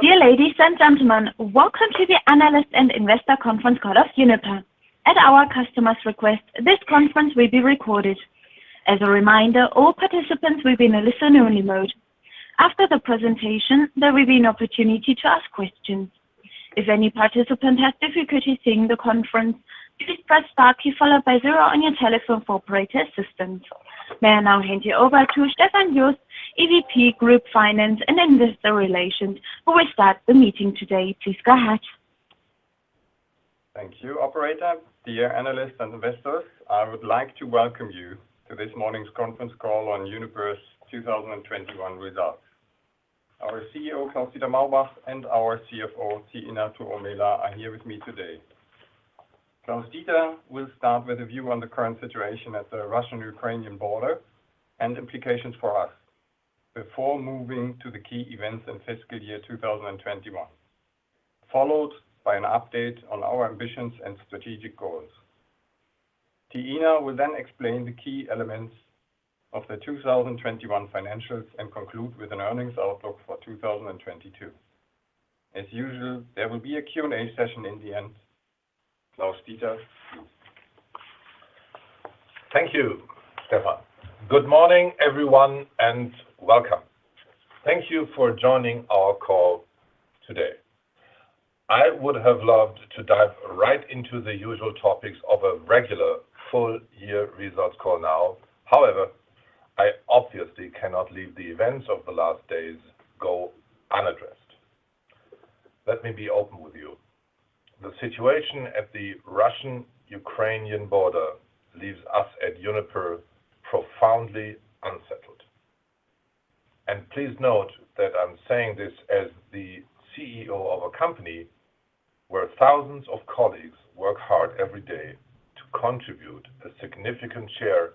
Dear ladies and gentlemen, welcome to the Analyst and Investor Conference call of Uniper. At our customer's request, this conference will be recorded. As a reminder, all participants will be in a listen-only mode. After the presentation, there will be an opportunity to ask questions. If any participant has difficulty hearing the conference, please press star key followed by zero on your telephone for operator assistance. May I now hand you over to Stefan Jost, EVP Group Finance and Investor Relations, who will start the meeting today. Please go ahead. Thank you, operator. Dear analysts and investors, I would like to welcome you to this morning's conference call on Uniper's 2021 results. Our CEO, Klaus-Dieter Maubach, and our CFO, Tiina Tuomela, are here with me today. Klaus-Dieter will start with a view on the current situation at the Russian-Ukrainian border and implications for us before moving to the key events in fiscal year 2021, followed by an update on our ambitions and strategic goals. Tiina will then explain the key elements of the 2021 financials and conclude with an earnings outlook for 2022. As usual, there will be a Q&A session in the end. Klaus-Dieter? Thank you, Stefan. Good morning, everyone, and welcome. Thank you for joining our call today. I would have loved to dive right into the usual topics of a regular full year results call now. However, I obviously cannot leave the events of the last days go unaddressed. Let me be open with you. The situation at the Russian-Ukrainian border leaves us at Uniper profoundly unsettled. Please note that I'm saying this as the CEO of a company where thousands of colleagues work hard every day to contribute a significant share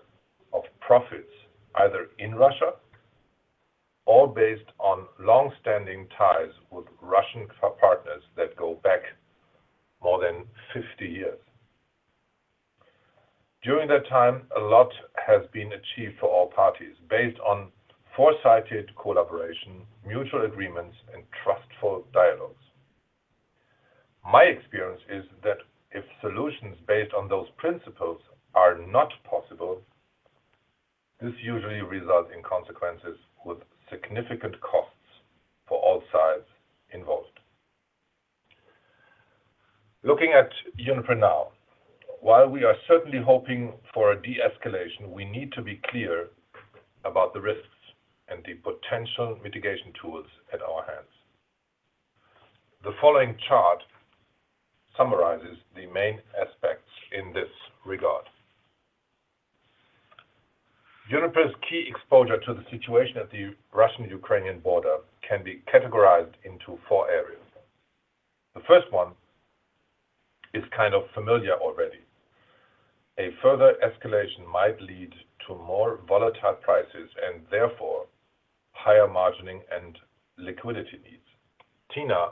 of profits either in Russia or based on long-standing ties with Russian partners that go back more than 50 years. During that time, a lot has been achieved for all parties based on foresighted collaboration, mutual agreements, and trustful dialogues. My experience is that if solutions based on those principles are not possible, this usually results in consequences with significant costs for all sides involved. Looking at Uniper now, while we are certainly hoping for a de-escalation, we need to be clear about the risks and the potential mitigation tools at our hands. The following chart summarizes the main aspects in this regard. Uniper's key exposure to the situation at the Russian-Ukrainian border can be categorized into four areas. The first one is kind of familiar already. A further escalation might lead to more volatile prices and therefore higher margining and liquidity needs. Tiina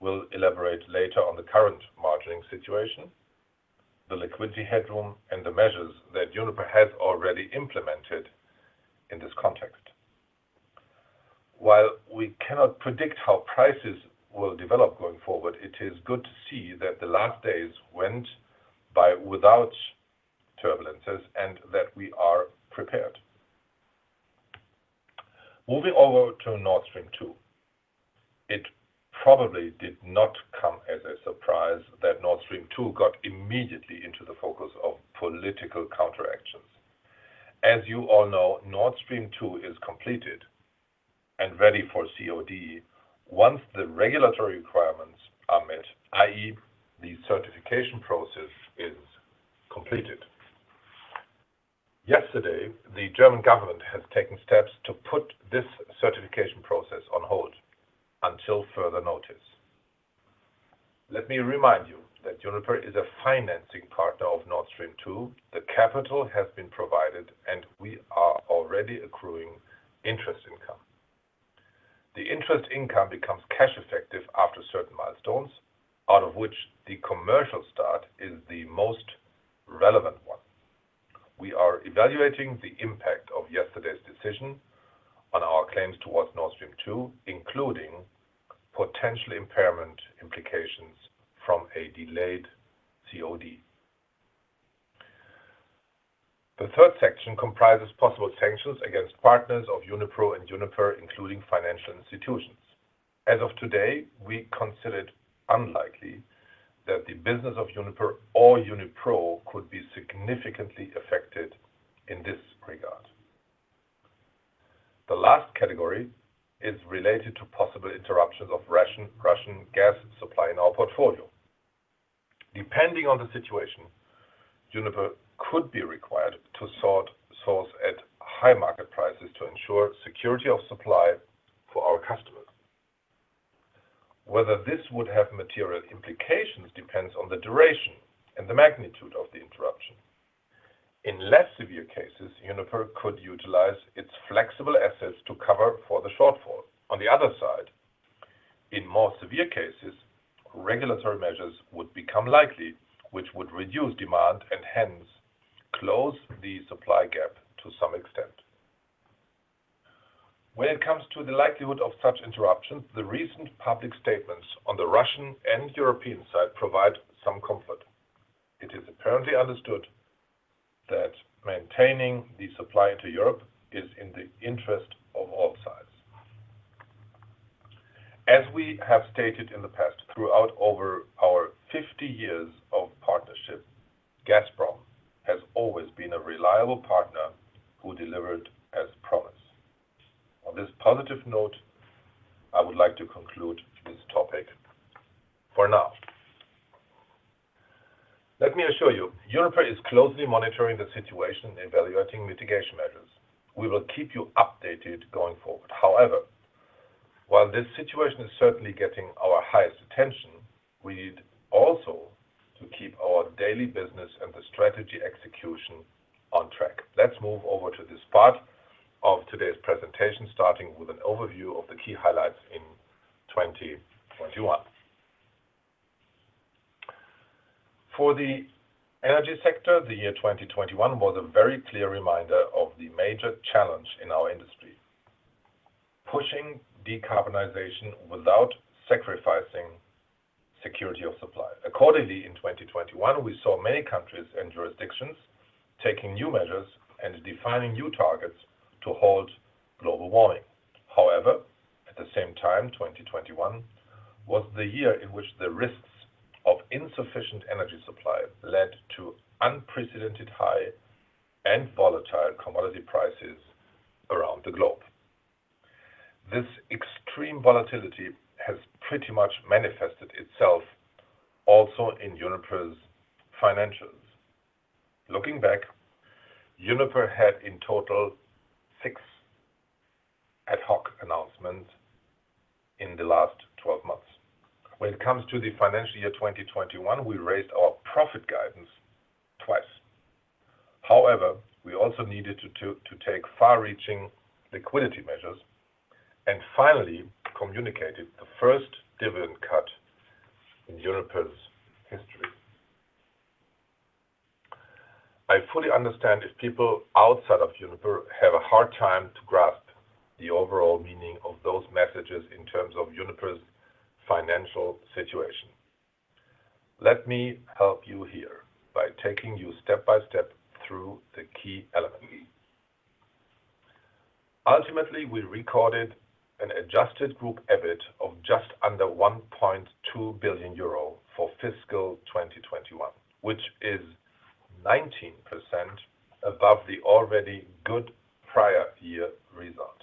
will elaborate later on the current margining situation, the liquidity headroom, and the measures that Uniper has already implemented in this context. While we cannot predict how prices will develop going forward, it is good to see that the last days went by without turbulences and that we are prepared. Moving over to Nord Stream 2. It probably did not come as a surprise that Nord Stream 2 got immediately into the focus of political counteractions. As you all know, Nord Stream 2 is completed and ready for COD once the regulatory requirements are met, i.e. the certification process is completed. Yesterday, the German government has taken steps to put this certification process on hold until further notice. Let me remind you that Uniper is a financing partner of Nord Stream 2. The capital has been provided, and we are already accruing interest income. The interest income becomes cash effective after certain milestones, out of which the commercial start is the most relevant one. We are evaluating the impact of yesterday's decision on our claims towards Nord Stream 2, including potential impairment implications from a delayed COD. The third section comprises possible sanctions against partners of Unipro and Uniper, including financial institutions. As of today, we consider it unlikely that the business of Uniper or Unipro could be significantly affected in this regard. The last category is related to possible interruptions of Russian gas supply in our portfolio. Depending on the situation, Uniper could be required to source at high market prices to ensure security of supply for our customers. Whether this would have material implications depends on the duration and the magnitude of the interruption. In less severe cases, Uniper could utilize its flexible assets to cover for the shortfall. On the other side. In more severe cases, regulatory measures would become likely, which would reduce demand and hence close the supply gap to some extent. When it comes to the likelihood of such interruptions, the recent public statements on the Russian and European side provide some comfort. It is apparently understood that maintaining the supply to Europe is in the interest of all sides. As we have stated in the past, throughout over our fifty years of partnership, Gazprom has always been a reliable partner who delivered as promised. On this positive note, I would like to conclude this topic for now. Let me assure you, Uniper is closely monitoring the situation and evaluating mitigation measures. We will keep you updated going forward. However, while this situation is certainly getting our highest attention, we need also to keep our daily business and the strategy execution on track. Let's move over to this part of today's presentation, starting with an overview of the key highlights in 2021. For the energy sector, the year 2021 was a very clear reminder of the major challenge in our industry: pushing decarbonization without sacrificing security of supply. Accordingly, in 2021, we saw many countries and jurisdictions taking new measures and defining new targets to halt global warming. However, at the same time, 2021 was the year in which the risks of insufficient energy supply led to unprecedented high and volatile commodity prices around the globe. This extreme volatility has pretty much manifested itself also in Uniper's financials. Looking back, Uniper had in total six ad hoc announcements in the last 12 months. When it comes to the financial year 2021, we raised our profit guidance twice. However, we also needed to take far-reaching liquidity measures and finally communicated the first dividend cut in Uniper's history. I fully understand if people outside of Uniper have a hard time to grasp the overall meaning of those messages in terms of Uniper's financial situation. Let me help you here by taking you step by step through the key elements. Ultimately, we recorded an adjusted group EBIT of just under 1.2 billion euro for fiscal 2021, which is 19% above the already good prior year result.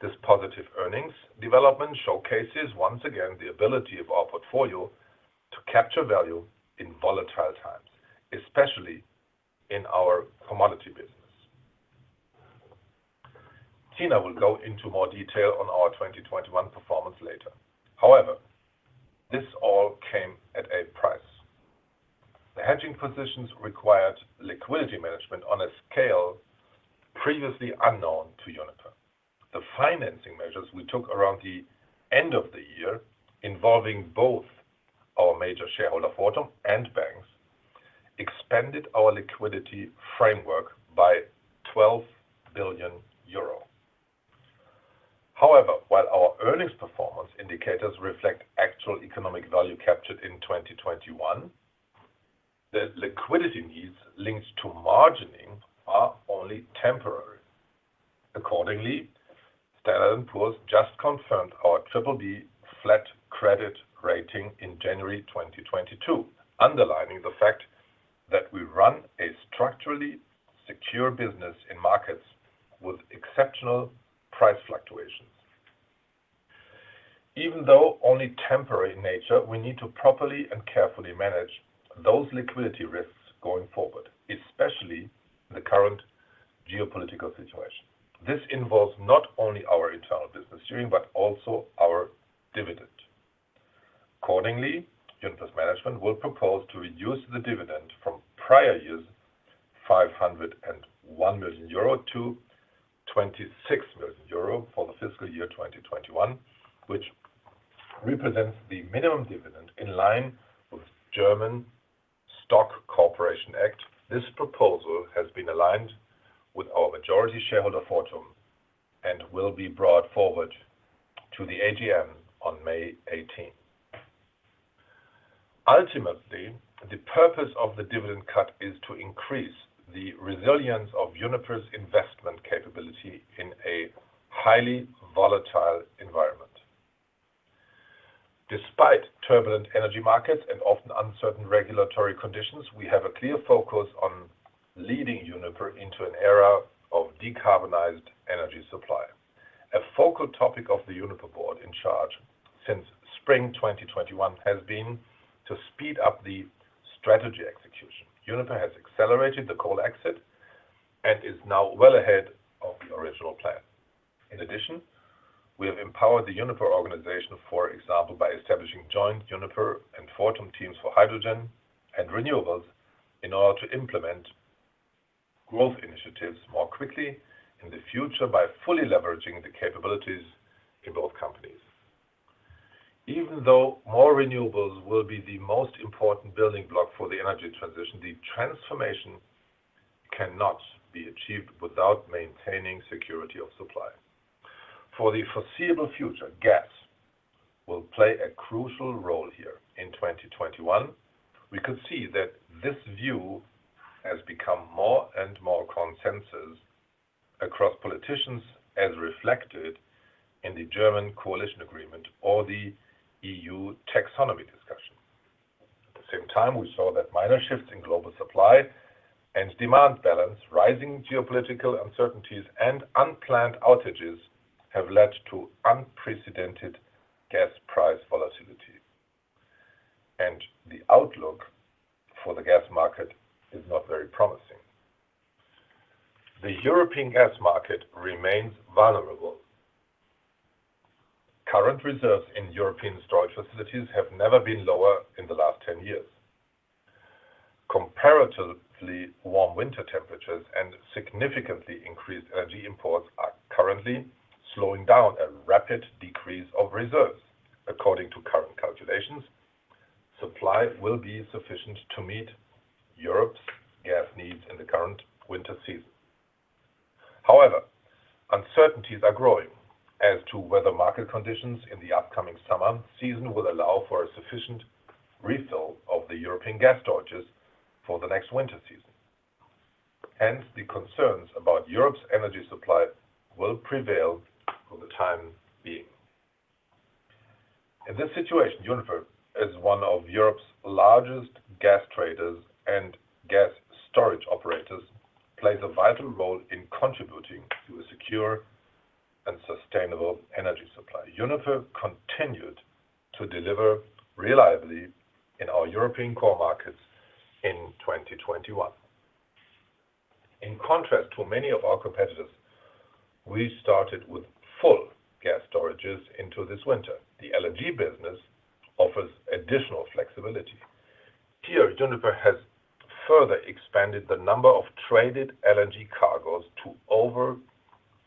This positive earnings development showcases once again the ability of our portfolio to capture value in volatile times, especially in our commodity business. Tiina will go into more detail on our 2021 performance later. However, this all came at a price. The hedging positions required liquidity management on a scale previously unknown to Uniper. The financing measures we took around the end of the year, involving both our major shareholder, Fortum, and banks, expanded our liquidity framework by 12 billion euro. However, while our earnings performance indicators reflect actual economic value captured in 2021, the liquidity needs linked to margining are only temporary. Accordingly, Standard & Poor's just confirmed our BBB- credit rating in January 2022, underlining the fact that we run a structurally secure business in markets with exceptional price fluctuations. Even though only temporary in nature, we need to properly and carefully manage those liquidity risks going forward, especially in the current geopolitical situation. This involves not only our internal business steering, but also our dividend. Accordingly, Uniper's management will propose to reduce the dividend from prior years' 501 million-26 million euro for the fiscal year 2021, which represents the minimum dividend in line with German Stock Corporation Act. This proposal has been aligned with our majority shareholder, Fortum, and will be brought forward to the AGM on May 18th. Ultimately, the purpose of the dividend cut is to increase the resilience of Uniper's investment capability in a highly volatile environment. Despite turbulent energy markets and often uncertain regulatory conditions, we have a clear focus on leading Uniper into an era of decarbonized energy supply. A focal topic of the Uniper board in charge since spring 2021 has been to speed up the strategy execution. Uniper has accelerated the coal exit and is now well ahead of the original plan. In addition, we have empowered the Uniper organization, for example, by establishing joint Uniper and Fortum teams for hydrogen and renewables in order to implement growth initiatives more quickly in the future by fully leveraging the capabilities in both companies. Even though more renewables will be the most important building block for the energy transition, the transformation cannot be achieved without maintaining security of supply. For the foreseeable future, gas will play a crucial role here. In 2021, we could see that this view has become more and more consensus across politicians as reflected in the German coalition agreement or the EU Taxonomy discussion. At the same time, we saw that minor shifts in global supply and demand balance, rising geopolitical uncertainties, and unplanned outages have led to unprecedented gas price volatility, and the outlook for the gas market is not very promising. The European gas market remains vulnerable. Current reserves in European storage facilities have never been lower in the last 10 years. Comparatively warm winter temperatures and significantly increased energy imports are currently slowing down a rapid decrease of reserves. According to current calculations, supply will be sufficient to meet Europe's gas needs in the current winter season. However, uncertainties are growing as to whether market conditions in the upcoming summer season will allow for a sufficient refill of the European gas storages for the next winter season. Hence, the concerns about Europe's energy supply will prevail for the time being. In this situation, Uniper, as one of Europe's largest gas traders and gas storage operators, plays a vital role in contributing to a secure and sustainable energy supply. Uniper continued to deliver reliably in our European core markets in 2021. In contrast to many of our competitors, we started with full gas storages into this winter. The LNG business offers additional flexibility. Here, Uniper has further expanded the number of traded LNG cargos to over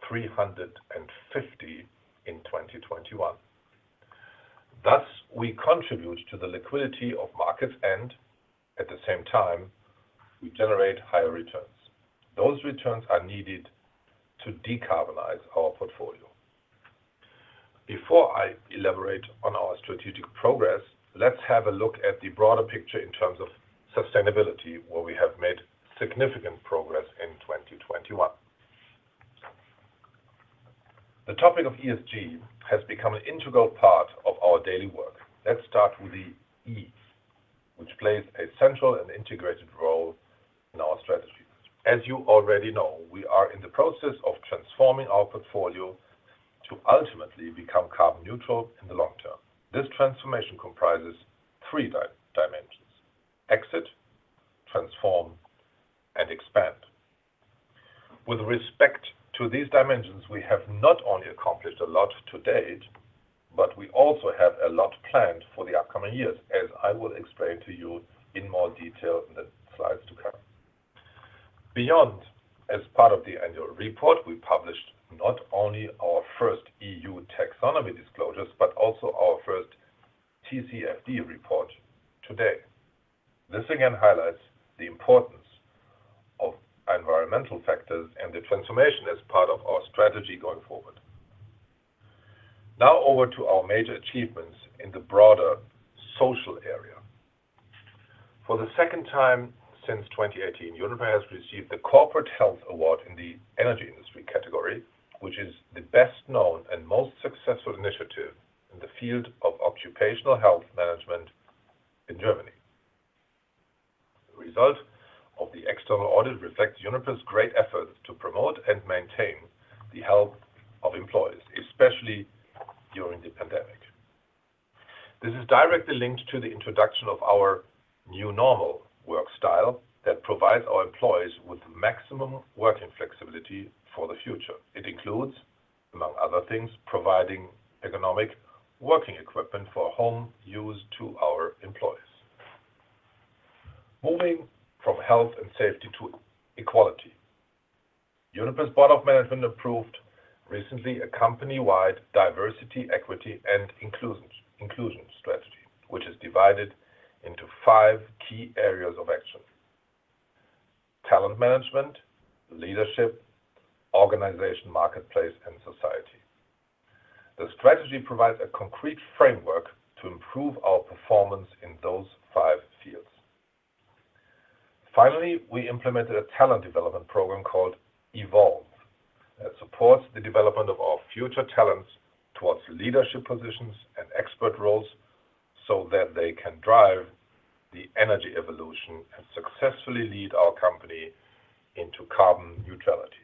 350 in 2021. Thus, we contribute to the liquidity of markets, and at the same time, we generate higher returns. Those returns are needed to decarbonize our portfolio. Before I elaborate on our strategic progress, let's have a look at the broader picture in terms of sustainability, where we have made significant progress in 2021. The topic of ESG has become an integral part of our daily work. Let's start with the E, which plays a central and integrated role in our strategy. As you already know, we are in the process of transforming our portfolio to ultimately become carbon neutral in the long term. This transformation comprises three dimensions: exit, transform, and expand. With respect to these dimensions, we have not only accomplished a lot to date, but we also have a lot planned for the upcoming years, as I will explain to you in more detail in the slides to come. Beyond, as part of the annual report, we published not only our first EU Taxonomy disclosures, but also our first TCFD report today. This again highlights the importance of environmental factors and the transformation as part of our strategy going forward. Now over to our major achievements in the broader social area. For the second time since 2018, Uniper has received the Corporate Health Award in the energy industry category, which is the best known and most successful initiative in the field of occupational health management in Germany. The result of the external audit reflects Uniper's great efforts to promote and maintain the health of employees, especially during the pandemic. This is directly linked to the introduction of our new normal work style that provides our employees with maximum working flexibility for the future. It includes, among other things, providing ergonomic working equipment for home use to our employees. Moving from health and safety to equality. Uniper's Board of Management approved recently a company-wide diversity, equity, and inclusion strategy, which is divided into five key areas of action, talent management, leadership, organization, marketplace, and society. The strategy provides a concrete framework to improve our performance in those five fields. Finally, we implemented a talent development program called Evolve that supports the development of our future talents towards leadership positions and expert roles so that they can drive the energy evolution and successfully lead our company into carbon neutrality.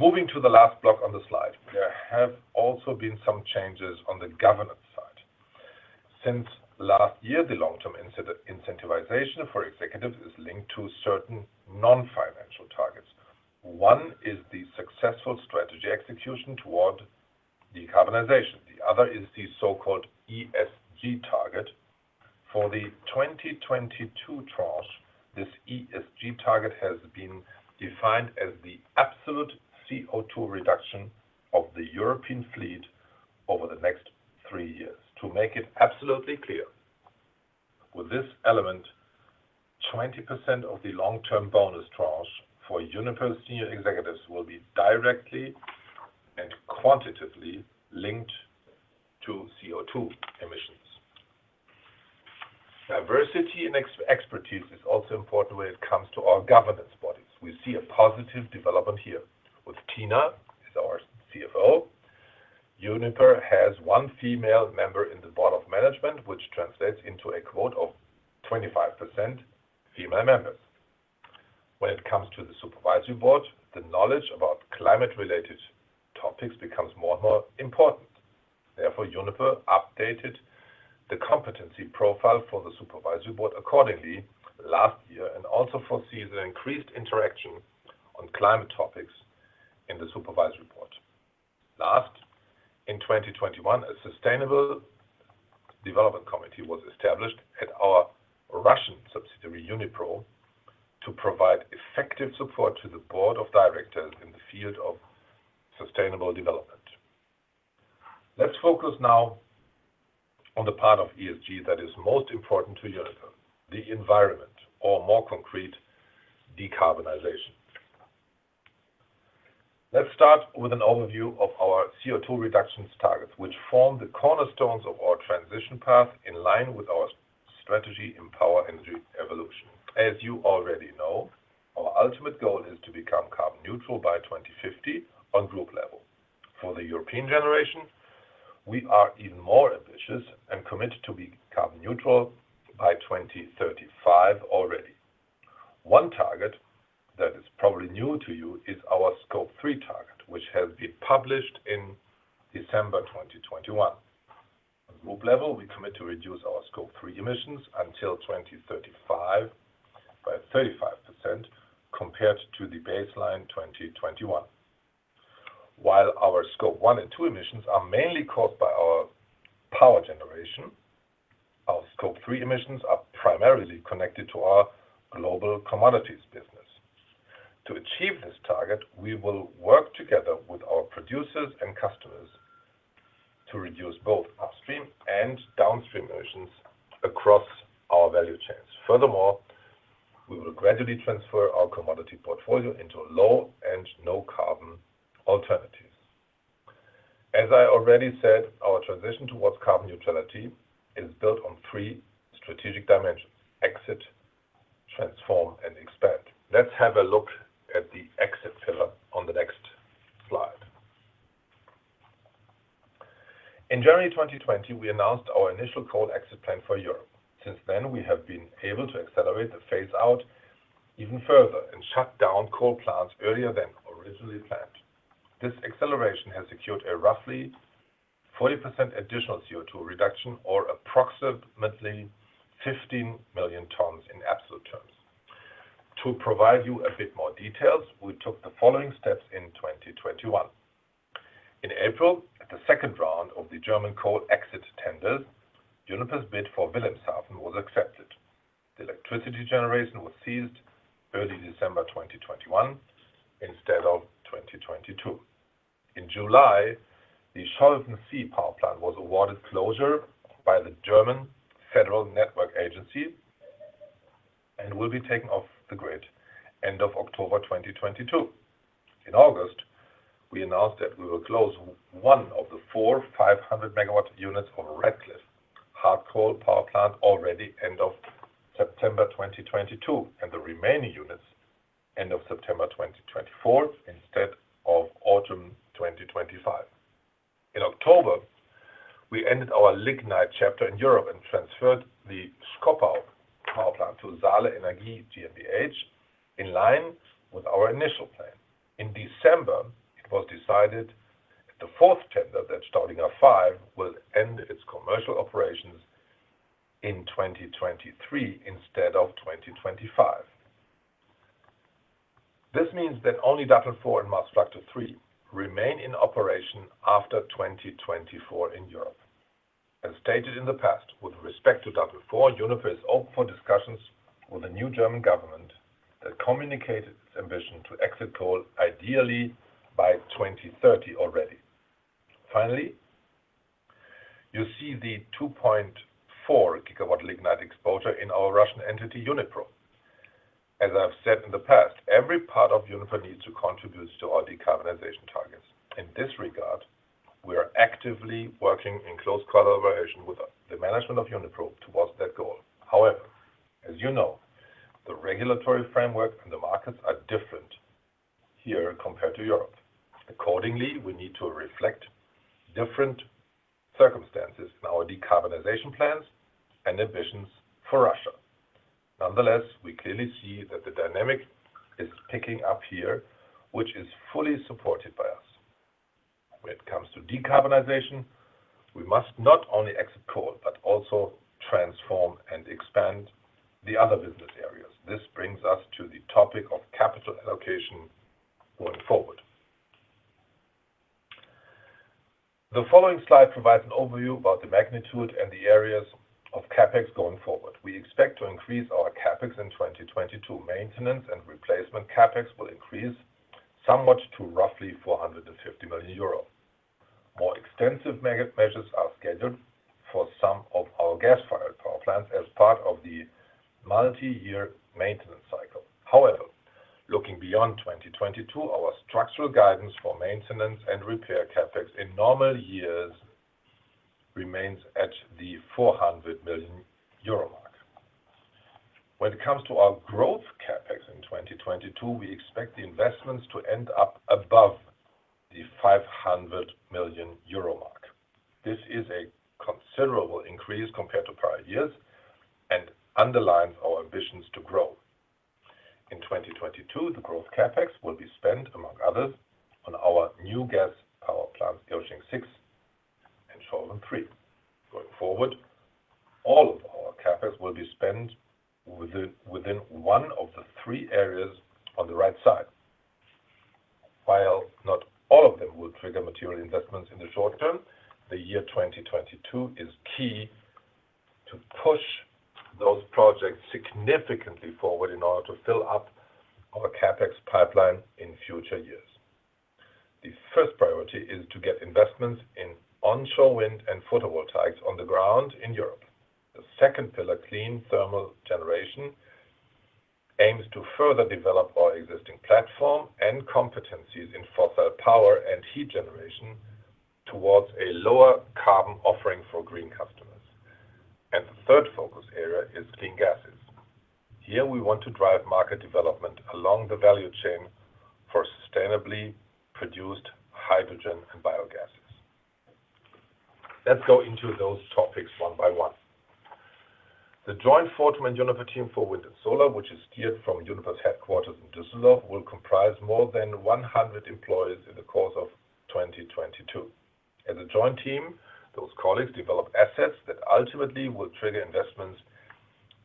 Moving to the last block on the slide, there have also been some changes on the governance side. Since last year, the long-term incentivization for executives is linked to certain non-financial. One is the successful strategy execution toward decarbonization, the other is the so-called ESG target. For the 2022 tranche, this ESG target has been defined as the absolute CO₂ reduction of the European fleet over the next three years. To make it absolutely clear, with this element, 20% of the long-term bonus tranche for Uniper senior executives will be directly and quantitatively linked to CO₂ emissions. Diversity and expertise is also important when it comes to our governance bodies. We see a positive development here. With Tiina as our CFO, Uniper has one female member in the board of management, which translates into a quota of 25% female members. When it comes to the supervisory board, the knowledge about climate-related topics becomes more and more important. Therefore, Uniper updated the competency profile for the supervisory board accordingly last year and also foresees an increased interaction on climate topics in the supervisory board. Lastly, in 2021, a sustainable development committee was established at our Russian subsidiary, Unipro, to provide effective support to the board of directors in the field of sustainable development. Let's focus now on the part of ESG that is most important to Uniper, the environment, or more concretely, decarbonization. Let's start with an overview of our CO₂ reduction targets, which form the cornerstones of our transition path in line with our strategy, Empower Energy Evolution. As you already know, our ultimate goal is to become carbon neutral by 2050 on group level. For the European generation, we are even more ambitious and committed to be carbon neutral by 2035 already. One target that is probably new to you is our Scope three target, which has been published in December 2021. On group level, we commit to reduce our Scope three emissions until 2035 by 35% compared to the baseline 2021. While our Scope one and two emissions are mainly caused by our power generation, our Scope three emissions are primarily connected to our global commodities business. To achieve this target, we will work together with our producers and customers to reduce both upstream and downstream emissions across our value chains. Furthermore, we will gradually transfer our commodity portfolio into low and no carbon alternatives. As I already said, our transition towards carbon neutrality is built on three strategic dimensions, exit, transform, and expand. Let's have a look at the exit pillar on the next slide. In January 2020, we announced our initial coal exit plan for Europe. Since then, we have been able to accelerate the phase out even further and shut down coal plants earlier than originally planned. This acceleration has secured a roughly 40% additional CO₂ reduction or approximately 15 million tons in absolute terms. To provide you a bit more details, we took the following steps in 2021. In April, at the second round of the German coal exit tenders, Uniper's bid for Wilhelmshaven was accepted. The electricity generation was ceased early December 2021 instead of 2022. In July, the Scholven 3 power plant was awarded closure by the German Federal Network Agency and will be taken off the grid end of October 2022. In August, we announced that we will close one of the 4 500-megawatt units of Ratcliffe hard coal power plant already end of September 2022, and the remaining units end of September 2024 instead of autumn 2025. In October, we ended our lignite chapter in Europe and transferred the Schkopau power plant to Saale-Energie GmbH in line with our initial plan. In December, it was decided in the fourth tender that Staudinger 5 will end its commercial operations in 2023 instead of 2025. This means that only Datteln 4 and Maasvlakte 3 remain in operation after 2024 in Europe. As stated in the past with respect to Datteln 4, Uniper is open for discussions with a new German government that communicated its ambition to exit coal ideally by 2030 already. Finally, you see the 2.4 GW lignite exposure in our Russian entity, Unipro. As I've said in the past, every part of Uniper needs to contribute to our decarbonization targets. In this regard, we are actively working in close collaboration with the management of Unipro towards that goal. However, as you know, the regulatory framework and the markets are different here compared to Europe. Accordingly, we need to reflect different circumstances in our decarbonization plans and ambitions for Russia. Nonetheless, we clearly see that the dynamic is picking up here, which is fully supported by us. When it comes to decarbonization, we must not only exit coal, but also transform and expand the other business areas. This brings us to the topic of capital allocation going forward. The following slide provides an overview about the magnitude and the areas of CapEx going forward. We expect to increase our CapEx in 2022. Maintenance and replacement CapEx will increase somewhat to roughly 450 million euro. More extensive measures are scheduled for some of our gas-fired power plants as part of the multi-year maintenance cycle. However, looking beyond 2022, our structural guidance for maintenance and repair CapEx in normal years remains at the 400 million euro mark. When it comes to our growth CapEx in 2022, we expect the investments to end up above the 500 million euro mark. This is a considerable increase compared to prior years and underlines our ambitions to grow. In 2022, the growth CapEx will be spent, among others, on our new gas power plants, Irsching 6 and Scholven 3. Going forward, all of our CapEx will be spent within one of the three areas on the right side. While not all of them will trigger material investments in the short term, the year 2022 is key to push those projects significantly forward in order to fill up our CapEx pipeline in future years. The first priority is to get investments in onshore wind and photovoltaics on the ground in Europe. The second pillar, clean thermal generation, aims to further develop our existing platform and competencies in fossil power and heat generation towards a lower carbon offering for green customers. The third focus area is clean gases. Here, we want to drive market development along the value chain for sustainably produced hydrogen and biogases. Let's go into those topics one by one. The joint Fortum and Uniper team for wind and solar, which is steered from Uniper's headquarters in Düsseldorf, will comprise more than 100 employees in the course of 2022. As a joint team, those colleagues develop assets that ultimately will trigger investments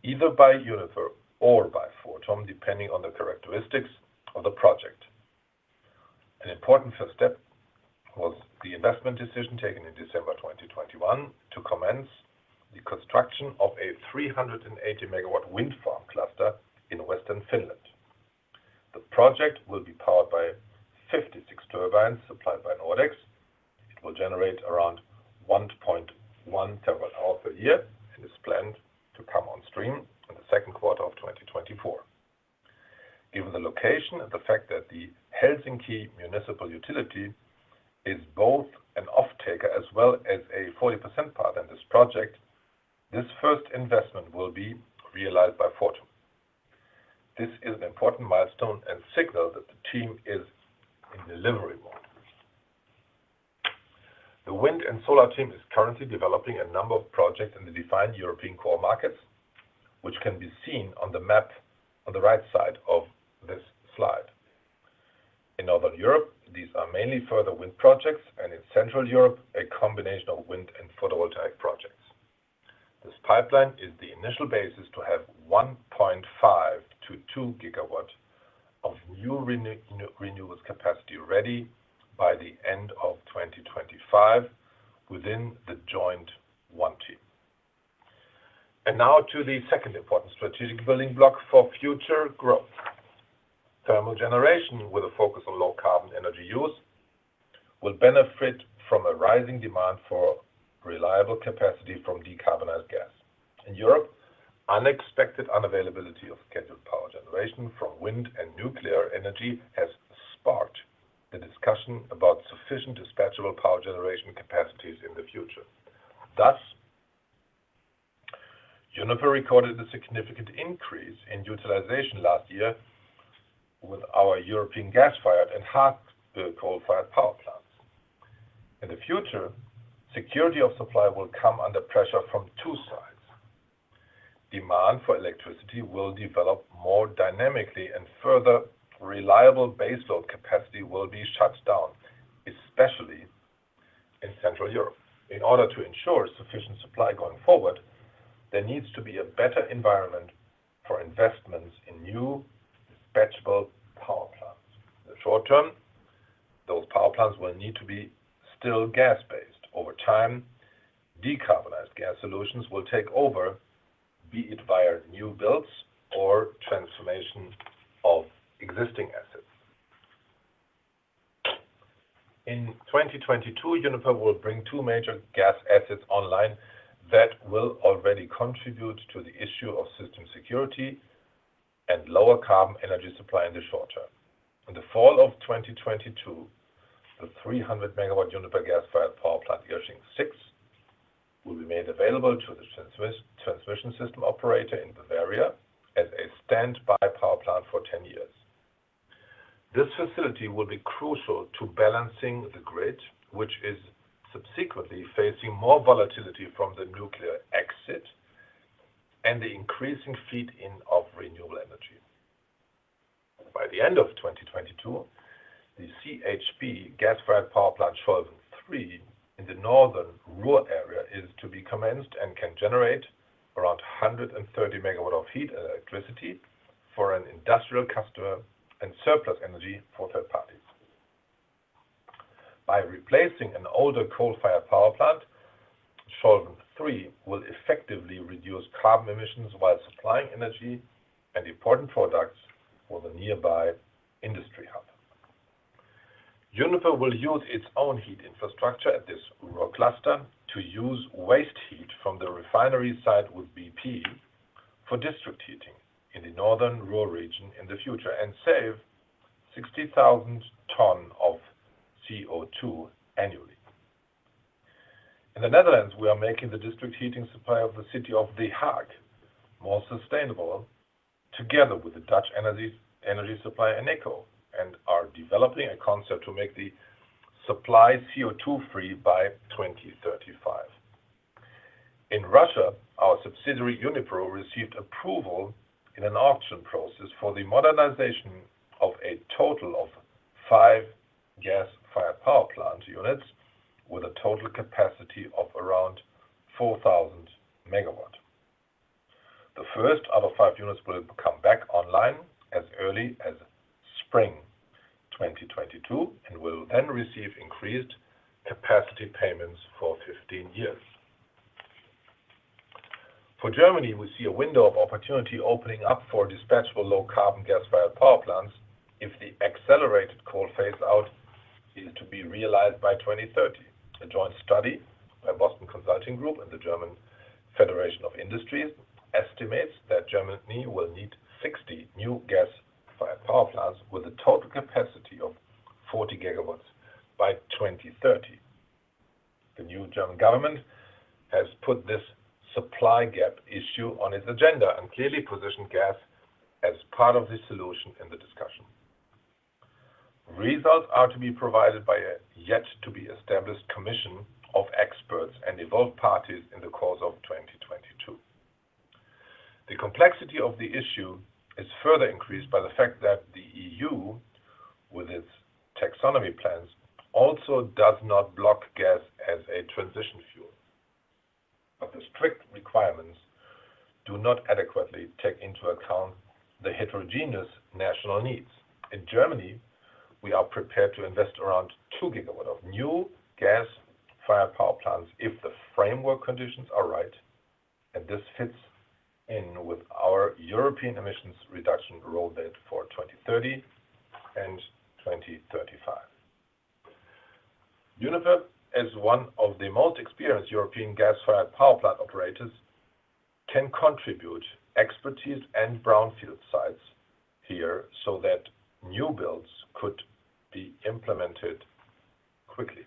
either by Uniper or by Fortum, depending on the characteristics of the project. An important first step was the investment decision taken in December 2021 to commence the construction of a 380 MW wind farm cluster in western Finland. The project will be powered by 56 turbines supplied by Nordex. It will generate around 1.1 TWh per year and is planned to come on stream in Q2 2024. Given the location and the fact that the Helsinki Municipal Utility is both an offtaker as well as a 40% partner in this project, this first investment will be realized by Fortum. This is an important milestone and signal that the team is in delivery mode. The wind and solar team is currently developing a number of projects in the defined European core markets, which can be seen on the map on the right side of this slide. In Northern Europe, these are mainly further wind projects, and in Central Europe, a combination of wind and photovoltaic projects. This pipeline is the initial basis to have 1.5-2 GW of new renewal capacity ready by the end of 2025 within the joint one team. Now to the second important strategic building block for future growth. Thermal generation with a focus on low carbon energy use will benefit from a rising demand for reliable capacity from decarbonized gas. In Europe, unexpected unavailability of scheduled power generation from wind and nuclear energy has sparked the discussion about sufficient dispatchable power generation capacities in the future. Thus, Uniper recorded a significant increase in utilization last year with our European gas-fired and hard coal-fired power plants. In the future, security of supply will come under pressure from two sides. Demand for electricity will develop more dynamically and further reliable baseload capacity will be shut down, especially in Central Europe. In order to ensure sufficient supply going forward, there needs to be a better environment for investments in new dispatchable power plants. In the short term, those power plants will need to be still gas-based. Over time, decarbonized gas solutions will take over, be it via new builds or transformation of existing assets. In 2022, Uniper will bring two major gas assets online that will already contribute to the issue of system security and lower carbon energy supply in the short term. In the fall of 2022, the 300 MW Uniper gas-fired power plant, Irsching 6, will be made available to the transmission system operator in Bavaria as a standby power plant for 10 years. This facility will be crucial to balancing the grid, which is subsequently facing more volatility from the nuclear exit and the increasing feed-in of renewable energy. By the end of 2022, the CHP gas-fired power plant Scholven 3 in the northern Ruhr area is to be commenced and can generate around 130 MW of heat and electricity for an industrial customer and surplus energy for third parties. By replacing an older coal-fired power plant, Scholven 3 will effectively reduce carbon emissions while supplying energy and important products for the nearby industry hub. Uniper will use its own heat infrastructure at this Ruhr cluster to use waste heat from the refinery site with BP for district heating in the northern Ruhr region in the future and save 60,000 tons of CO₂ annually. In the Netherlands, we are making the district heating supply of the city of The Hague more sustainable together with the Dutch energy supplier Eneco and are developing a concept to make the supply CO₂ free by 2035. In Russia, our subsidiary Unipro received approval in an auction process for the modernization of a total of five gas-fired power plant units with a total capacity of around 4,000 MW. The first of the five units will come back online as early as spring 2022 and will then receive increased capacity payments for 15 years. For Germany, we see a window of opportunity opening up for dispatchable low carbon gas-fired power plants if the accelerated coal phase out is to be realized by 2030. A joint study by Boston Consulting Group and the Federation of German Industries estimates that Germany will need 60 new gas-fired power plants with a total capacity of 40 GW by 2030. The new German government has put this supply gap issue on its agenda and clearly positioned gas as part of the solution in the discussion. Results are to be provided by a yet to be established commission of experts and involved parties in the course of 2022. The complexity of the issue is further increased by the fact that the EU, with its taxonomy plans, also does not block gas as a transition fuel. The strict requirements do not adequately take into account the heterogeneous national needs. In Germany, we are prepared to invest around two GW of new gas-fired power plants if the framework conditions are right, and this fits in with our European emissions reduction roadmap for 2030 and 2035. Uniper, as one of the most experienced European gas-fired power plant operators, can contribute expertise and brownfield sites here so that new builds could be implemented quickly.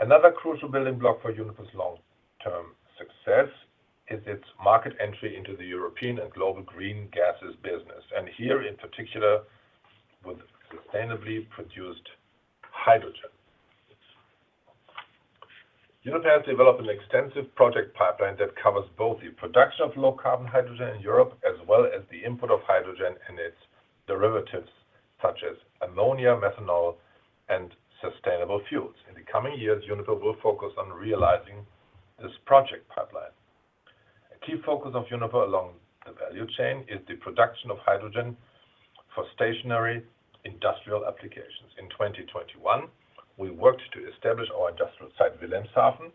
Another crucial building block for Uniper's long-term success is its market entry into the European and global green gases business, and here in particular with sustainably produced hydrogen. Uniper has developed an extensive project pipeline that covers both the production of low-carbon hydrogen in Europe as well as the import of hydrogen and its derivatives such as ammonia, methanol, and sustainable fuels. In the coming years, Uniper will focus on realizing this project pipeline. A key focus of Uniper along the value chain is the production of hydrogen for stationary industrial applications. In 2021, we worked to establish our industrial site Wilhelmshaven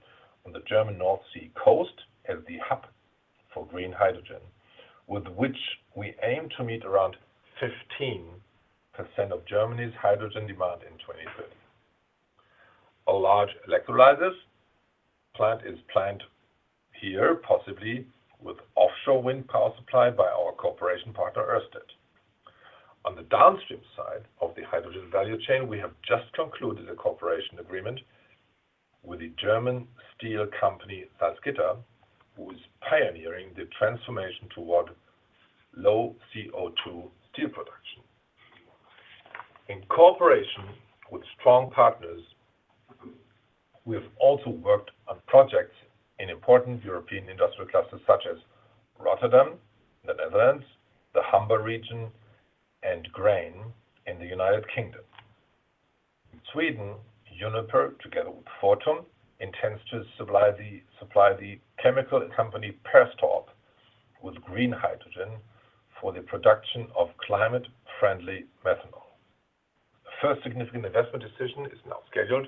on the German North Sea coast as the hub for green hydrogen, with which we aim to meet around 15% of Germany's hydrogen demand in 2030. A large electrolysis plant is planned here, possibly with offshore wind power supply by our cooperation partner, Ørsted. On the downstream side of the hydrogen value chain, we have just concluded a cooperation agreement with the German steel company, Salzgitter, who is pioneering the transformation toward low CO₂ steel production. In cooperation with strong partners, we have also worked on projects in important European industrial clusters such as Rotterdam, the Netherlands, the Humber region, and Grain in the United Kingdom. In Sweden, Uniper, together with Fortum, intends to supply the chemical company Perstorp with green hydrogen for the production of climate-friendly methanol. The first significant investment decision is now scheduled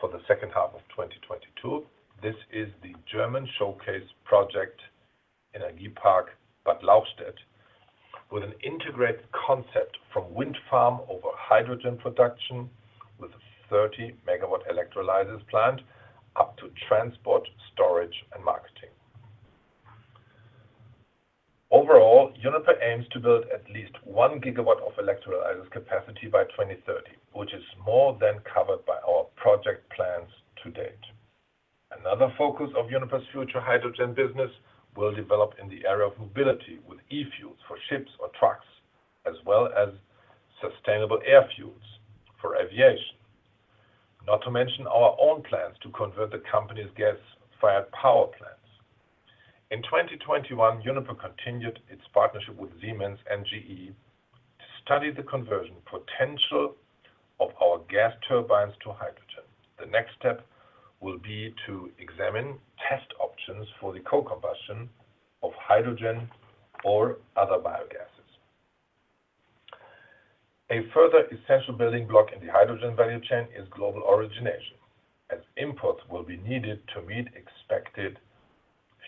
for the second half of 2022. This is the German showcase project Energiepark Bad Lauchstädt, with an integrated concept from wind farm over hydrogen production with a 30-MW electrolysis plant up to transport, storage, and marketing. Overall, Uniper aims to build at least one GW of electrolysis capacity by 2030, which is more than covered by our project plans to date. Another focus of Uniper's future hydrogen business will develop in the area of mobility with e-fuels for ships or trucks, as well as sustainable air fuels for aviation. Not to mention our own plans to convert the company's gas-fired power plants. In 2021, Uniper continued its partnership with Siemens and GE to study the conversion potential of our gas turbines to hydrogen. The next step will be to examine test options for the co-combustion of hydrogen or other biogases. A further essential building block in the hydrogen value chain is global origination, as imports will be needed to meet expected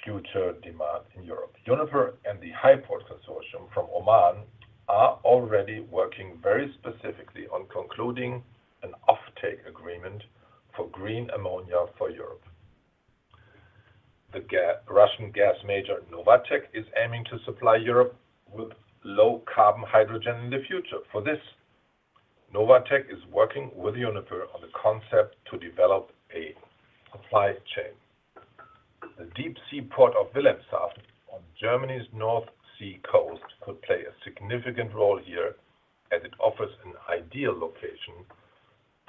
future demand in Europe. Uniper and the HYPORT Consortium from Oman are already working very specifically on concluding an offtake agreement for green ammonia for Europe. Russian gas major Novatek is aiming to supply Europe with low carbon hydrogen in the future. For this, Novatek is working with Uniper on the concept to develop a supply chain. The deep seaport of Wilhelmshaven on Germany's North Sea coast could play a significant role here, as it offers an ideal location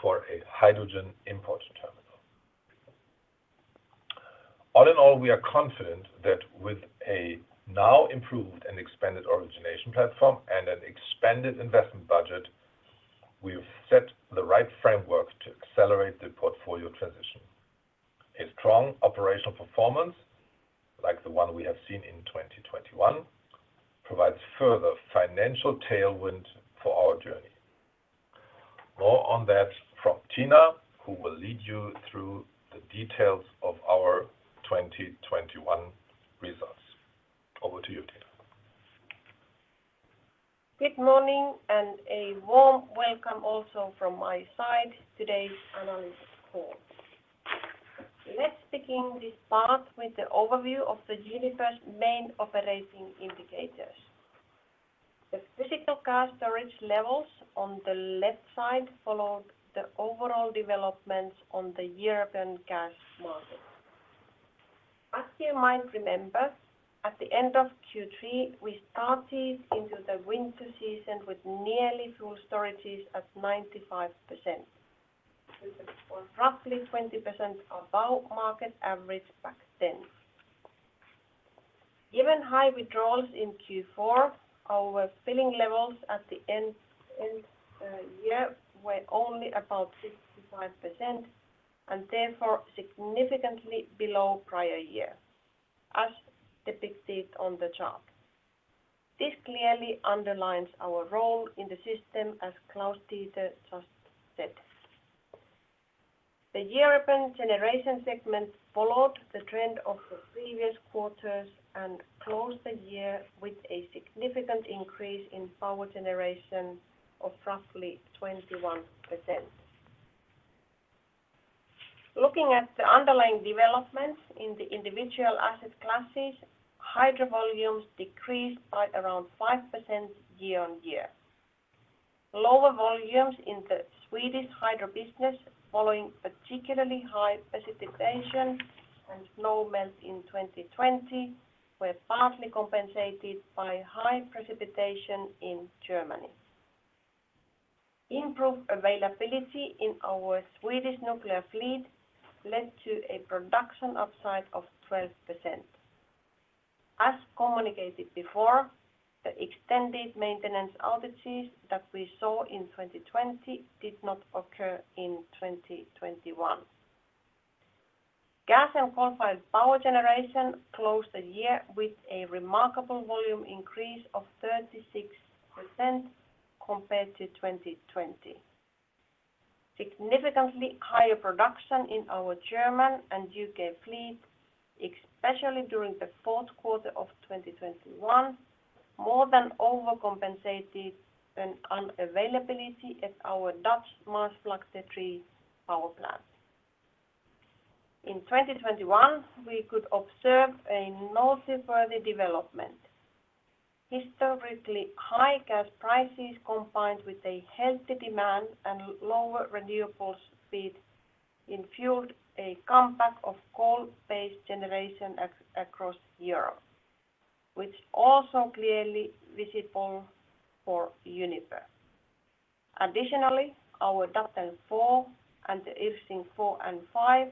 for a hydrogen import terminal. All in all, we are confident that with a now improved and expanded origination platform and an expanded investment budget, we've set the right framework to accelerate the portfolio transition. A strong operational performance, like the one we have seen in 2021, provides further financial tailwind for our journey. More on that from Tiina, who will lead you through the details of our 2021 results. Over to you, Tiina. Good morning and a warm welcome also from my side to today's analyst call. Let's begin this part with the overview of Uniper's main operating indicators. The physical gas storage levels on the left side followed the overall developments on the European gas market. As you might remember, at the end of Q3, we started into the winter season with nearly full storages of 95%. This is roughly 20% above market average back then. Given high withdrawals in Q4, our filling levels at the end of the year were only about 65% and therefore significantly below prior year, as depicted on the chart. This clearly underlines our role in the system, as Klaus-Dieter just said. The European generation segment followed the trend of the previous quarters and closed the year with a significant increase in power generation of roughly 21%. Looking at the underlying developments in the individual asset classes, hydro volumes decreased by around 5% year-on-year. Lower volumes in the Swedish hydro business, following particularly high precipitation and snow melt in 2020, were partly compensated by high precipitation in Germany. Improved availability in our Swedish nuclear fleet led to a production upside of 12%. As communicated before, the extended maintenance outages that we saw in 2020 did not occur in 2021. Gas and coal-fired power generation closed the year with a remarkable volume increase of 36% compared to 2020. Significantly higher production in our German and U.K. fleet, especially during the fourth quarter of 2021, more than overcompensated an unavailability at our Dutch Maasvlakte 3 power plant. In 2021, we could observe a noteworthy development. Historically, high gas prices combined with a healthy demand and lower renewables feed-in fueled a comeback of coal-based generation across Europe, which was also clearly visible for Uniper. Additionally, our Datteln 4 and the Irsching 4 and 5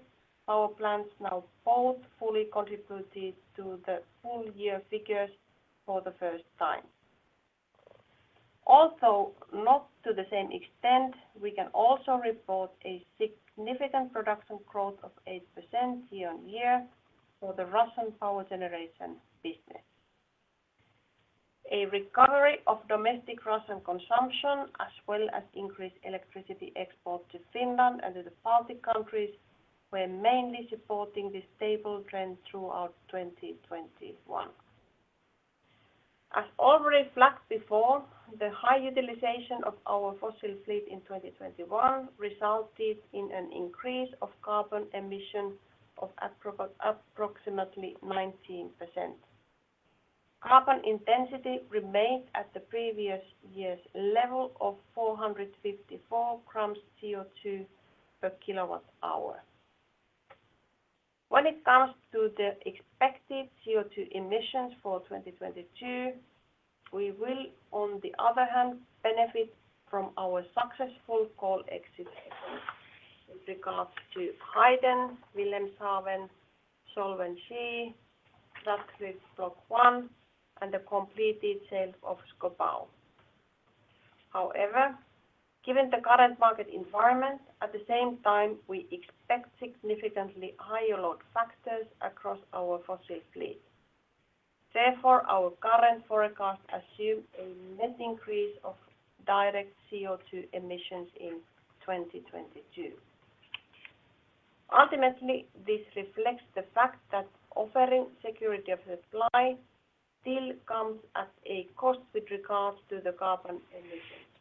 power plants now both fully contributed to the full year figures for the first time. Also, not to the same extent, we can also report a significant production growth of 8% year-on-year for the Russian power generation business. A recovery of domestic Russian consumption, as well as increased electricity export to Finland and to the Baltic countries, were mainly supporting this stable trend throughout 2021. As already flagged before, the high utilization of our fossil fleet in 2021 resulted in an increase of carbon emission of approximately 19%. Carbon intensity remained at the previous year's level of 454 g CO2/kWh. When it comes to the expected CO2 emissions for 2022, we will, on the other hand, benefit from our successful coal exit efforts with regards to Heyden, Wilhelmshaven, Scholven, Maasvlakte 3, and the complete divestment of Schkopau. However, given the current market environment, at the same time, we expect significantly higher load factors across our fossil fleet. Therefore, our current forecast assumes a net increase of direct CO2 emissions in 2022. Ultimately, this reflects the fact that offering security of supply still comes at a cost with regards to the carbon emissions.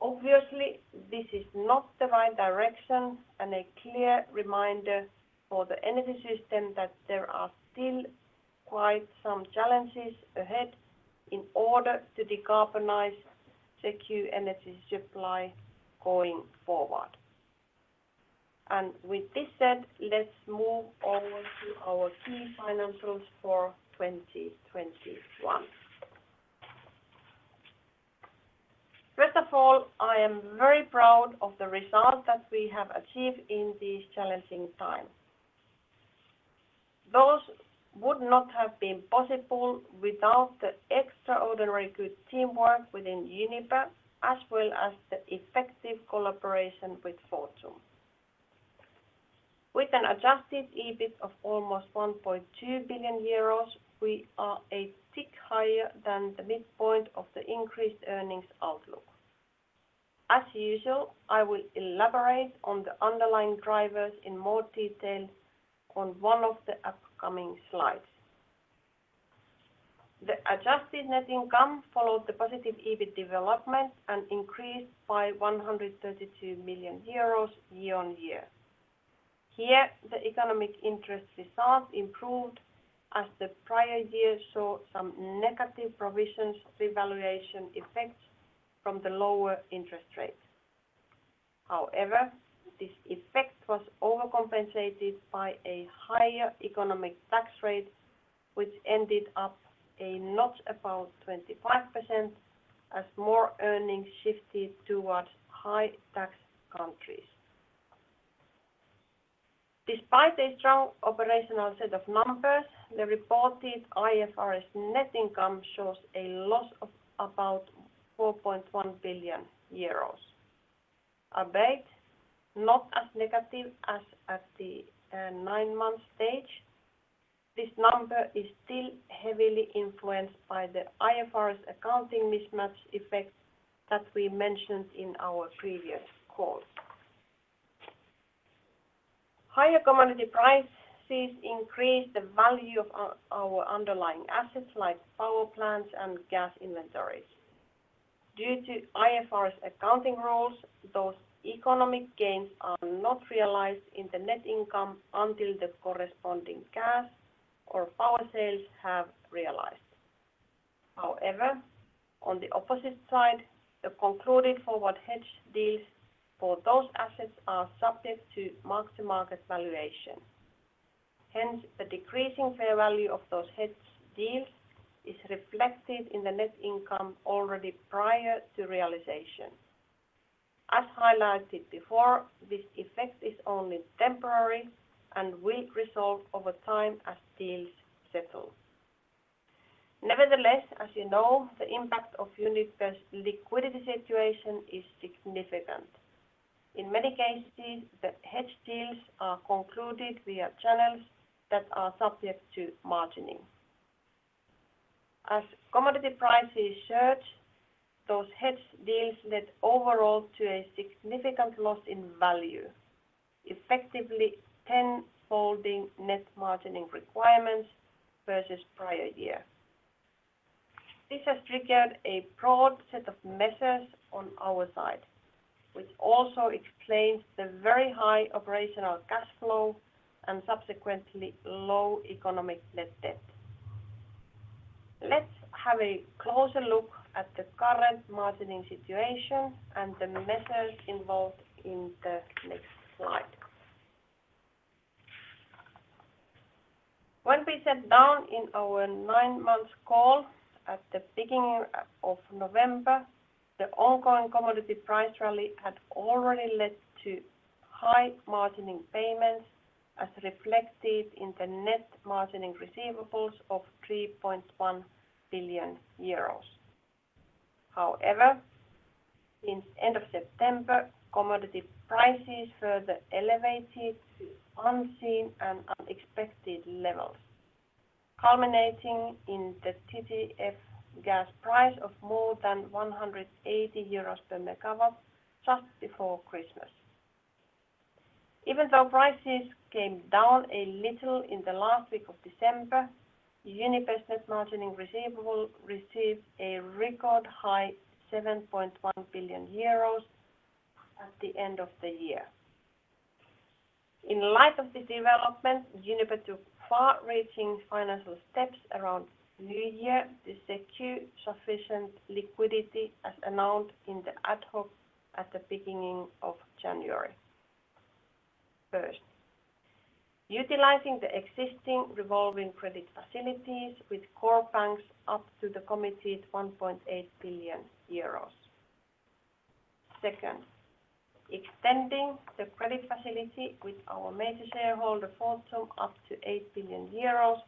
Obviously, this is not the right direction and a clear reminder for the energy system that there are still quite some challenges ahead in order to decarbonize secure energy supply going forward. With this said, let's move over to our key financials for 2021. First of all, I am very proud of the results that we have achieved in these challenging times. Those would not have been possible without the extraordinary good teamwork within Uniper, as well as the effective collaboration with Fortum. With an adjusted EBIT of almost 1.2 billion euros, we are a tick higher than the midpoint of the increased earnings outlook. As usual, I will elaborate on the underlying drivers in more detail on one of the upcoming slides. The adjusted net income followed the positive EBIT development and increased by 132 million euros year-on-year. Here, the economic interest results improved as the prior year saw some negative provisions revaluation effects from the lower interest rates. However, this effect was overcompensated by a higher economic tax rate, which ended up a notch above 25% as more earnings shifted towards high tax countries. Despite a strong operational set of numbers, the reported IFRS net income shows a loss of about 4.1 billion euros. Albeit not as negative as at the nine-month stage, this number is still heavily influenced by the IFRS accounting mismatch effects that we mentioned in our previous calls. Higher commodity prices increased the value of our underlying assets like power plants and gas inventories. Due to IFRS accounting rules, those economic gains are not realized in the net income until the corresponding gas or power sales have realized. However, on the opposite side, the concluded forward hedge deals for those assets are subject to mark-to-market valuation. Hence, the decreasing fair value of those hedge deals is reflected in the net income already prior to realization. As highlighted before, this effect is only temporary and will resolve over time as deals settle. Nevertheless, as you know, the impact on Uniper's liquidity situation is significant. In many cases, the hedge deals are concluded via channels that are subject to margining. As commodity prices surge, those hedge deals led overall to a significant loss in value, effectively ten-folding net margining requirements versus prior year. This has triggered a broad set of measures on our side, which also explains the very high operational cash flow and subsequently low economic net debt. Let's have a closer look at the current margining situation and the measures involved in the next slide. When we sat down in our nine-month call at the beginning of November, the ongoing commodity price rally had already led to high margining payments, as reflected in the net margining receivables of 3.1 billion euros. However, since end of September, commodity prices further elevated to unseen and unexpected levels, culminating in the TTF gas price of more than 180 euros per MW just before Christmas. Even though prices came down a little in the last week of December, Uniper's net margining receivable received a record high 7.1 billion euros at the end of the year. In light of this development, Uniper took far-reaching financial steps around New Year to secure sufficient liquidity as announced in the ad hoc at the beginning of January. First, utilizing the existing revolving credit facilities with core banks up to the committed 1.8 billion euros. Second, extending the credit facility with our major shareholder, Fortum, up to 8 billion euros,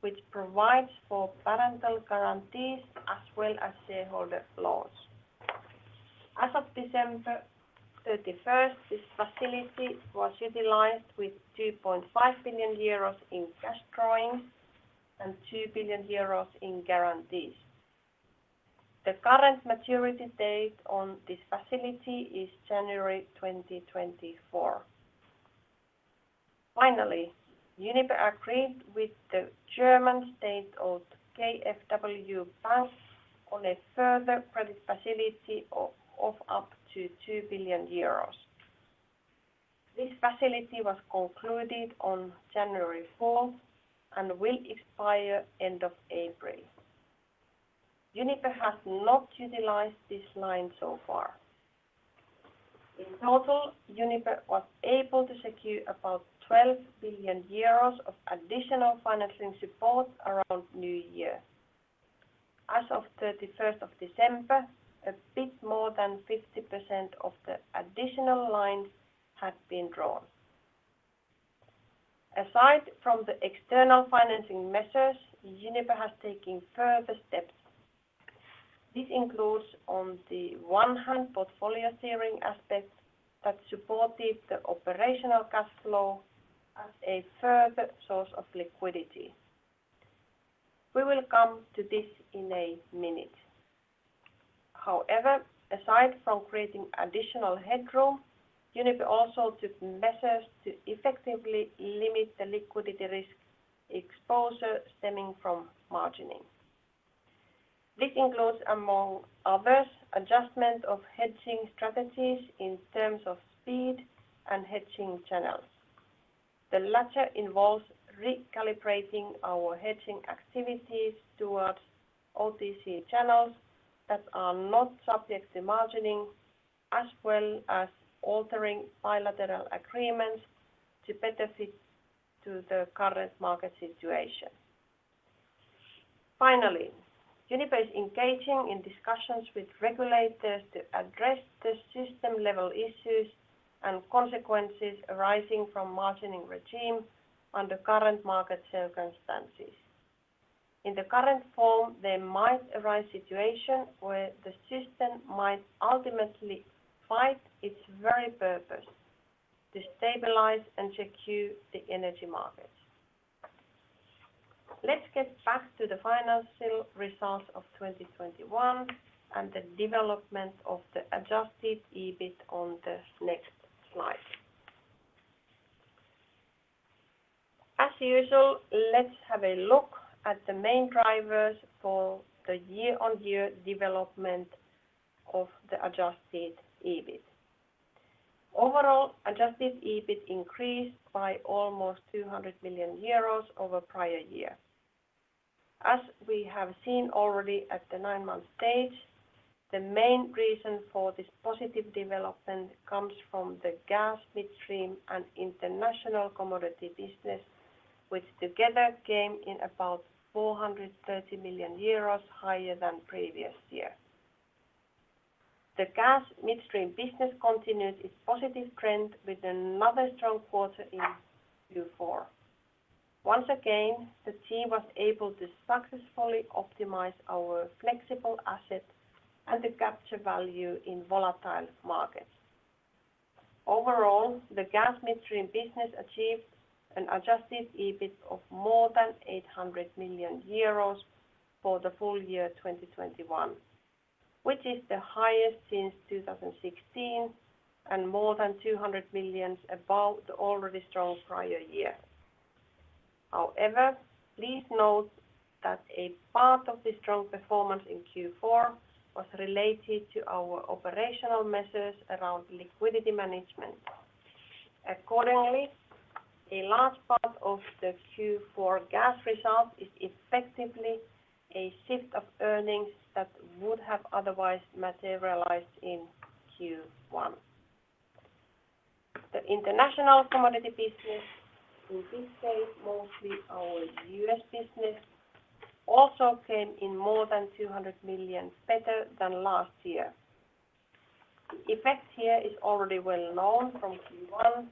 which provides for parental guarantees as well as shareholder loans. As of December 31, this facility was utilized with 2.5 billion euros in cash drawings and 2 billion euros in guarantees. The current maturity date on this facility is January 2024. Finally, Uniper agreed with the German state-owned KfW Bank on a further credit facility of up to 2 billion euros. This facility was concluded on January 4 and will expire end of April. Uniper has not utilized this line so far. In total, Uniper was able to secure about 12 billion euros of additional financing support around New Year. As of December 31, a bit more than 50% of the additional lines had been drawn. Aside from the external financing measures, Uniper has taken further steps. This includes, on the one hand, portfolio steering aspects that supported the operational cash flow as a further source of liquidity. We will come to this in a minute. However, aside from creating additional headroom, Uniper also took measures to effectively limit the liquidity risk exposure stemming from margining. This includes, among others, adjustment of hedging strategies in terms of speed and hedging channels. The latter involves recalibrating our hedging activities towards OTC channels that are not subject to margining, as well as altering bilateral agreements to better fit to the current market situation. Finally, Uniper is engaging in discussions with regulators to address the system-level issues and consequences arising from margining regime under current market circumstances. In the current form, there might arise situation where the system might ultimately fight its very purpose to stabilize and secure the energy markets. Let's get back to the financial results of 2021 and the development of the adjusted EBIT on the next slide. As usual, let's have a look at the main drivers for the year-on-year development of the adjusted EBIT. Overall, adjusted EBIT increased by almost 200 million euros over prior year. As we have seen already at the nine-month stage, the main reason for this positive development comes from the gas midstream and international commodity business, which together came in about 430 million euros higher than previous year. The gas midstream business continued its positive trend with another strong quarter in Q4. Once again, the team was able to successfully optimize our flexible assets and to capture value in volatile markets. Overall, the gas midstream business achieved an adjusted EBIT of more than 800 million euros for the full year 2021, which is the highest since 2016 and more than 200 million above the already strong prior year. However, please note that a part of this strong performance in Q4 was related to our operational measures around liquidity management. Accordingly, a large part of the Q4 gas result is effectively a shift of earnings that would have otherwise materialized in Q1. The international commodity business, in this case, mostly our U.S. business, also came in more than 200 million better than last year. The effect here is already well known from Q1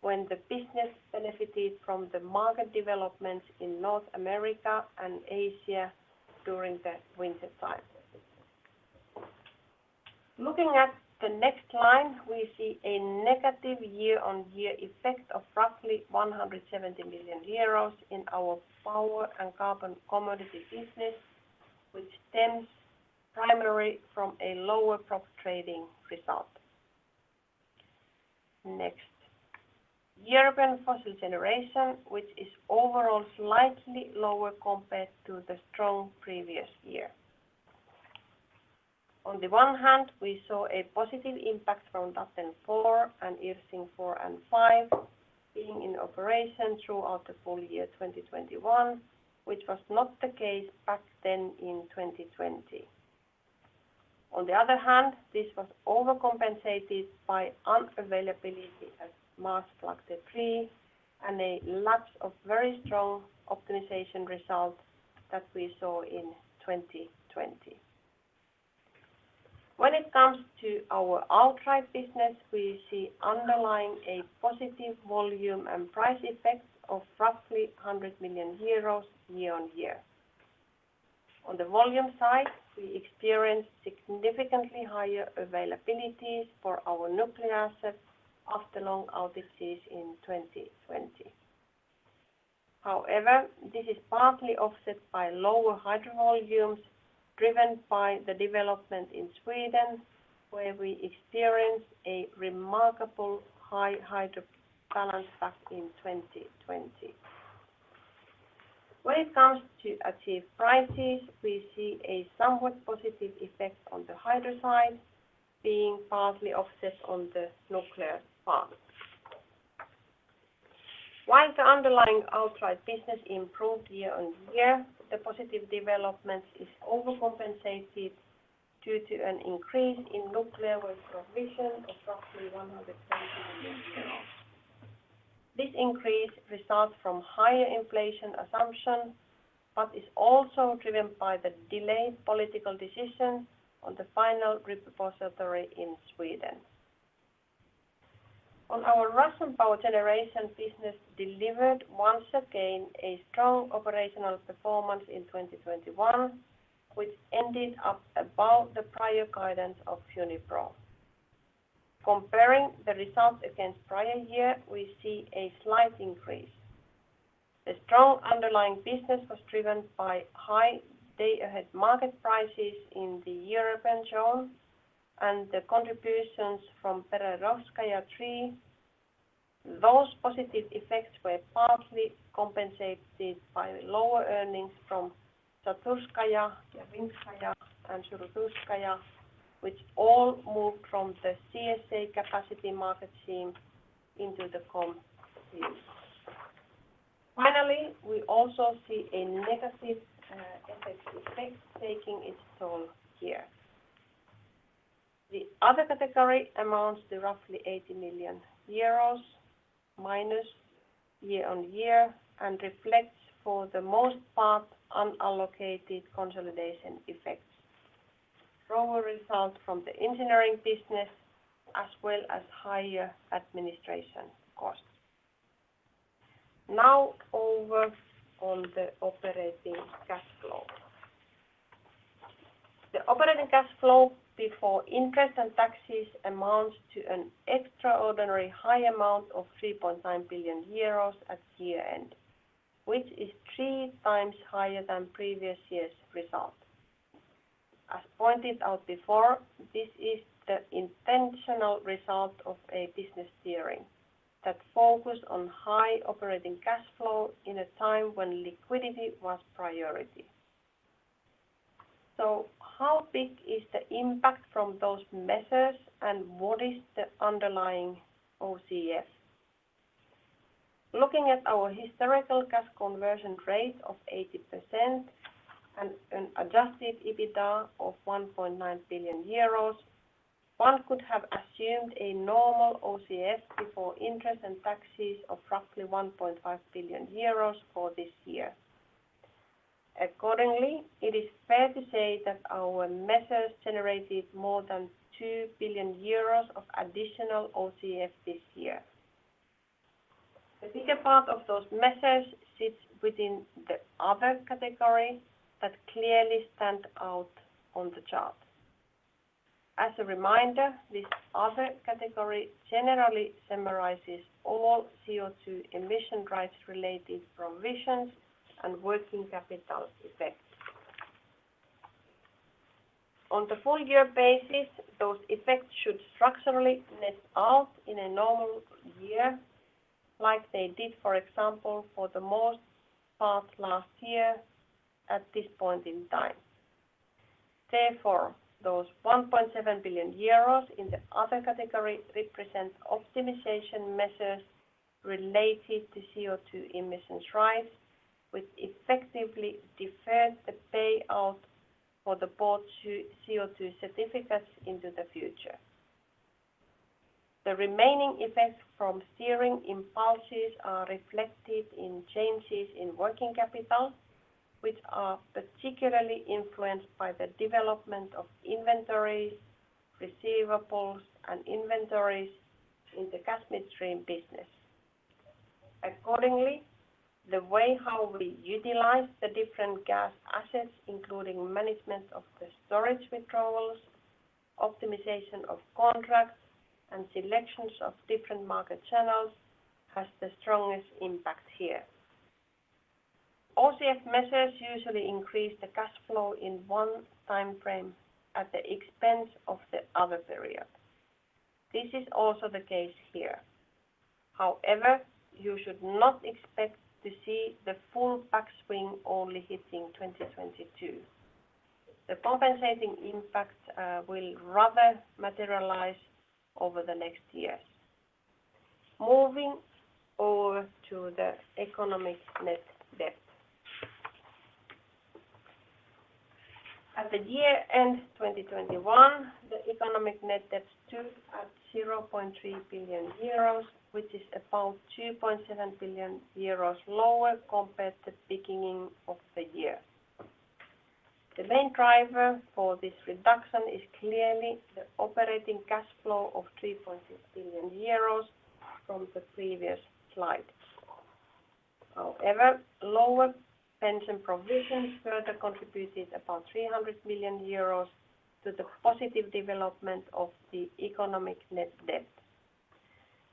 when the business benefited from the market developments in North America and Asia during the winter cycle. Looking at the next line, we see a negative year-over-year effect of roughly 170 million euros in our power and carbon commodity business, which stems primarily from a lower prop trading result. Next, European fossil generation, which is overall slightly lower compared to the strong previous year. On the one hand, we saw a positive impact from Datteln 4 and Irsching 4 and 5 being in operation throughout the full year 2021, which was not the case back then in 2020. On the other hand, this was overcompensated by unavailability at Maasvlakte 3, and a lapse of very strong optimization results that we saw in 2020. When it comes to our outright business, we see underlying a positive volume and price effects of roughly 100 million euros year-over-year. On the volume side, we experienced significantly higher availabilities for our nuclear assets after long outages in 2020. However, this is partly offset by lower hydro volumes driven by the development in Sweden, where we experienced a remarkably high hydro balance back in 2020. When it comes to achieved prices, we see a somewhat positive effect on the hydro side being partly offset in the nuclear part. While the underlying outright business improved year-on-year, the positive development is overcompensated due to an increase in nuclear waste provision of roughly 120 million euros. This increase results from higher inflation assumption, but is also driven by the delayed political decision on the final repository in Sweden. Our Russian power generation business delivered once again a strong operational performance in 2021, which ended up above the prior guidance of Unipro. Comparing the results against prior year, we see a slight increase. The strong underlying business was driven by high day-ahead market prices in the European zone and the contributions from Berezovskaya 3. Those positive effects were partly compensated by lower earnings from Shaturskaya, Yaivinskaya, and Surgutskaya, which all moved from the CSA capacity market scheme into the KOM scheme. Finally, we also see a negative FX effect taking its toll here. The other category amounts to roughly 80 million euros- year-on-year, and reflects for the most part unallocated consolidation effects, lower results from the engineering business as well as higher administration costs. Now over on the operating cash flow. The operating cash flow before interest and taxes amounts to an extraordinary high amount of 3.9 billion euros at year-end, which is three times higher than previous year's result. As pointed out before, this is the intentional result of a business steering that focused on high operating cash flow in a time when liquidity was priority. How big is the impact from those measures, and what is the underlying OCF? Looking at our historical cash conversion rate of 80% and an adjusted EBITDA of 1.9 billion euros, one could have assumed a normal OCF before interest and taxes of roughly 1.5 billion euros for this year. Accordingly, it is fair to say that our measures generated more than 2 billion euros of additional OCF this year. The bigger part of those measures sits within the other category that clearly stands out on the chart. As a reminder, this other category generally summarizes all CO2 emission rights related provisions and working capital effects. On a full year basis, those effects should structurally net out in a normal year like they did, for example, for the most part last year at this point in time. Therefore, those 1.7 billion euros in the other category represent optimization measures related to CO2 emission rights, which effectively deferred the payoff for the bought CO2 certificates into the future. The remaining effects from steering impulses are reflected in changes in working capital, which are particularly influenced by the development of inventories, receivables, and payables in the gas midstream business. Accordingly, the way how we utilize the different gas assets, including management of the storage withdrawals, optimization of contracts, and selections of different market channels, has the strongest impact here. OCF measures usually increase the cash flow in one time frame at the expense of the other period. This is also the case here. However, you should not expect to see the full backswing only hitting 2022. The compensating impact will rather materialize over the next years. Moving over to the economic net debt. At the year-end 2021, the economic net debt stood at 0.3 billion euros, which is about 2.7 billion euros lower compared to the beginning of the year. The main driver for this reduction is clearly the operating cash flow of 3.6 billion euros from the previous slides. However, lower pension provisions further contributed about 300 million euros to the positive development of the economic net debt.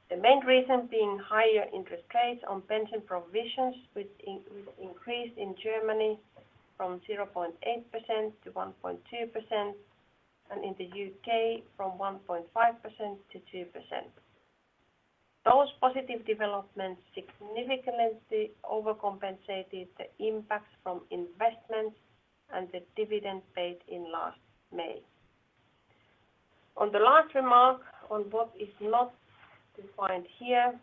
The main reason being higher interest rates on pension provisions, which increased in Germany from 0.8% to 1.2%, and in the U.K. from 1.5% to 2%. Those positive developments significantly overcompensated the impacts from investments and the dividend paid in last May. On the last remark on what is not defined here,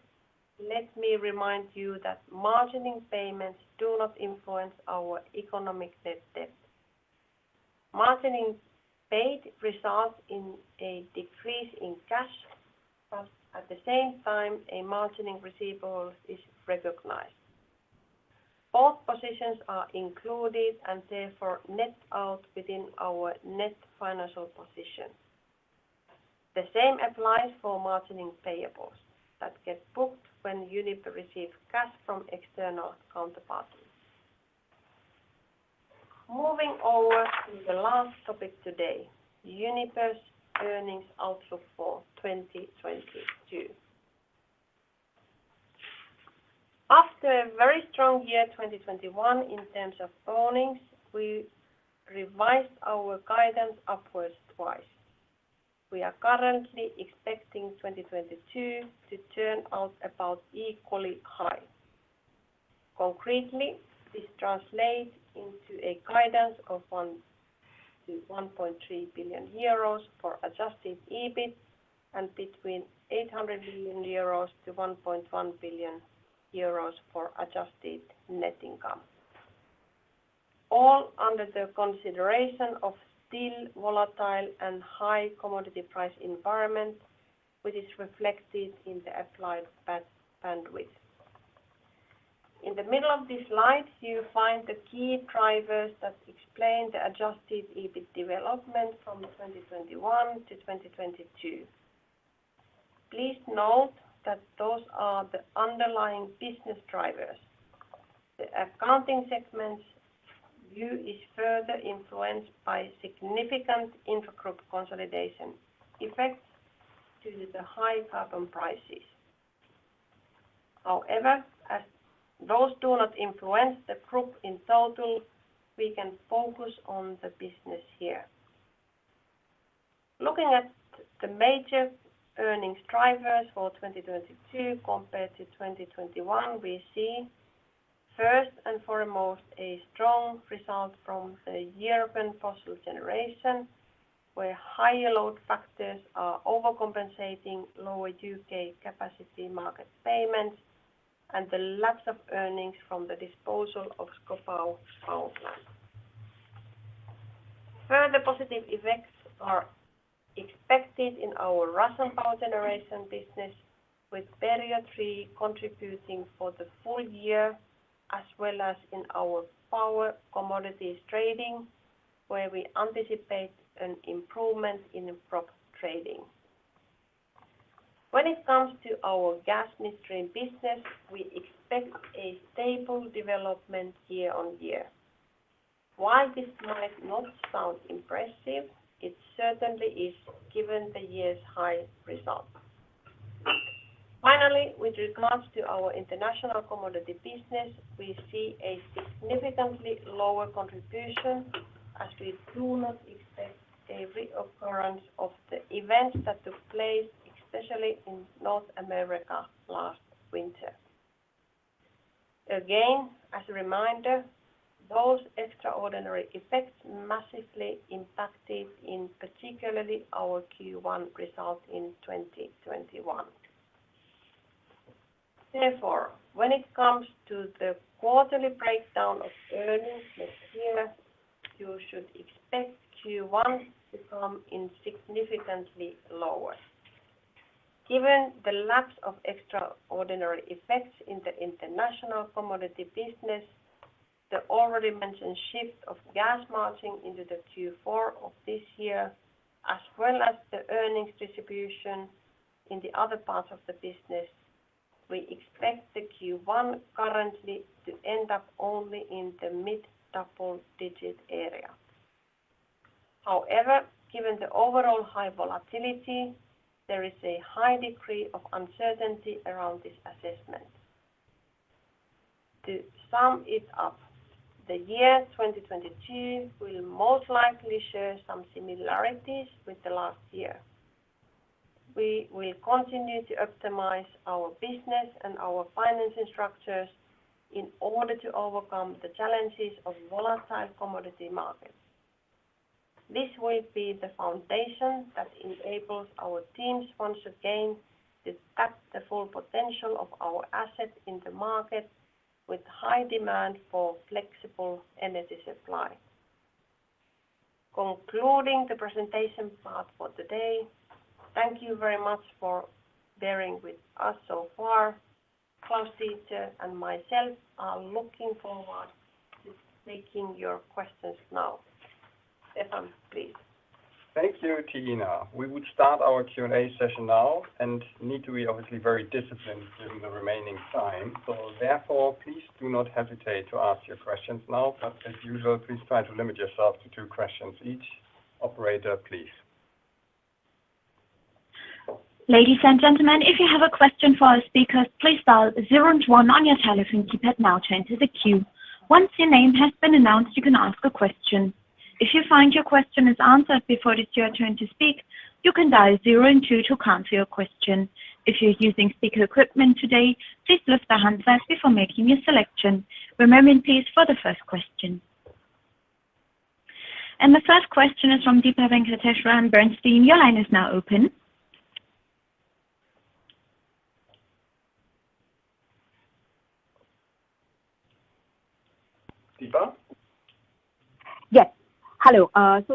let me remind you that margining payments do not influence our economic net debt. Margining paid results in a decrease in cash, but at the same time a margining receivable is recognized. Both positions are included and therefore net out within our net financial position. The same applies for margining payables that get booked when Uniper receives cash from external counterparties. Moving over to the last topic today, Uniper's earnings outlook for 2022. After a very strong year 2021 in terms of earnings, we revised our guidance upwards twice. We are currently expecting 2022 to turn out about equally high. Concretely, this translates into a guidance of 1 billion-1.3 billion euros for adjusted EBIT and between 800 million-1.1 billion euros for adjusted net income, all under the consideration of still volatile and high commodity price environment, which is reflected in the applied band, bandwidth. In the middle of this slide, you find the key drivers that explain the adjusted EBIT development from 2021 to 2022. Please note that those are the underlying business drivers. The accounting segment view is further influenced by significant intra-group consolidation effects due to the high carbon prices. However, as those do not influence the group in total, we can focus on the business here. Looking at the major earnings drivers for 2022 compared to 2021, we see first and foremost a strong result from the European fossil generation, where higher load factors are overcompensating lower U.K. capacity market payments and the lapse of earnings from the disposal of Schkopau Power Plant. Further positive effects are expected in our Russian power generation business, with Berezovskaya 3 contributing for the full year, as well as in our power commodities trading, where we anticipate an improvement in the prop trading. When it comes to our gas midstream business, we expect a stable development year on year. While this might not sound impressive, it certainly is given the year's high results. Finally, with regards to our international commodity business, we see a significantly lower contribution, as we do not expect a reoccurrence of the events that took place, especially in North America last winter. Again, as a reminder, those extraordinary effects massively impacted, in particular, our Q1 results in 2021. Therefore, when it comes to the quarterly breakdown of earnings mix here, you should expect Q1 to come in significantly lower. Given the lapse of extraordinary effects in the international commodity business, the already mentioned shift of gas margin into the Q4 of this year, as well as the earnings distribution in the other parts of the business, we expect the Q1 currently to end up only in the mid double-digit area. However, given the overall high volatility, there is a high degree of uncertainty around this assessment. To sum it up, the year 2022 will most likely share some similarities with the last year. We will continue to optimize our business and our financing structures in order to overcome the challenges of volatile commodity markets. This will be the foundation that enables our teams once again to tap the full potential of our assets in the market with high demand for flexible energy supply. Concluding the presentation part for today, thank you very much for bearing with us so far. Klaus-Dieter and myself are looking forward to taking your questions now. Stefan, please. Thank you, Tiina. We would start our Q&A session now and need to be obviously very disciplined during the remaining time. Therefore, please do not hesitate to ask your questions now. As usual, please try to limit yourself to two questions each. Operator, please. Ladies and gentlemen, if you have a question for our speakers, please dial zero and one on your telephone keypad now to enter the queue. Once your name has been announced, you can ask a question. If you find your question is answered before it is your turn to speak, you can dial zero and two to cancel your question. If you're using speaker equipment today, please lift the handset before making your selection. One moment, please, for the first question. The first question is from Deepa Venkateswaran, Bernstein. Your line is now open. Deepa? Yes. Hello.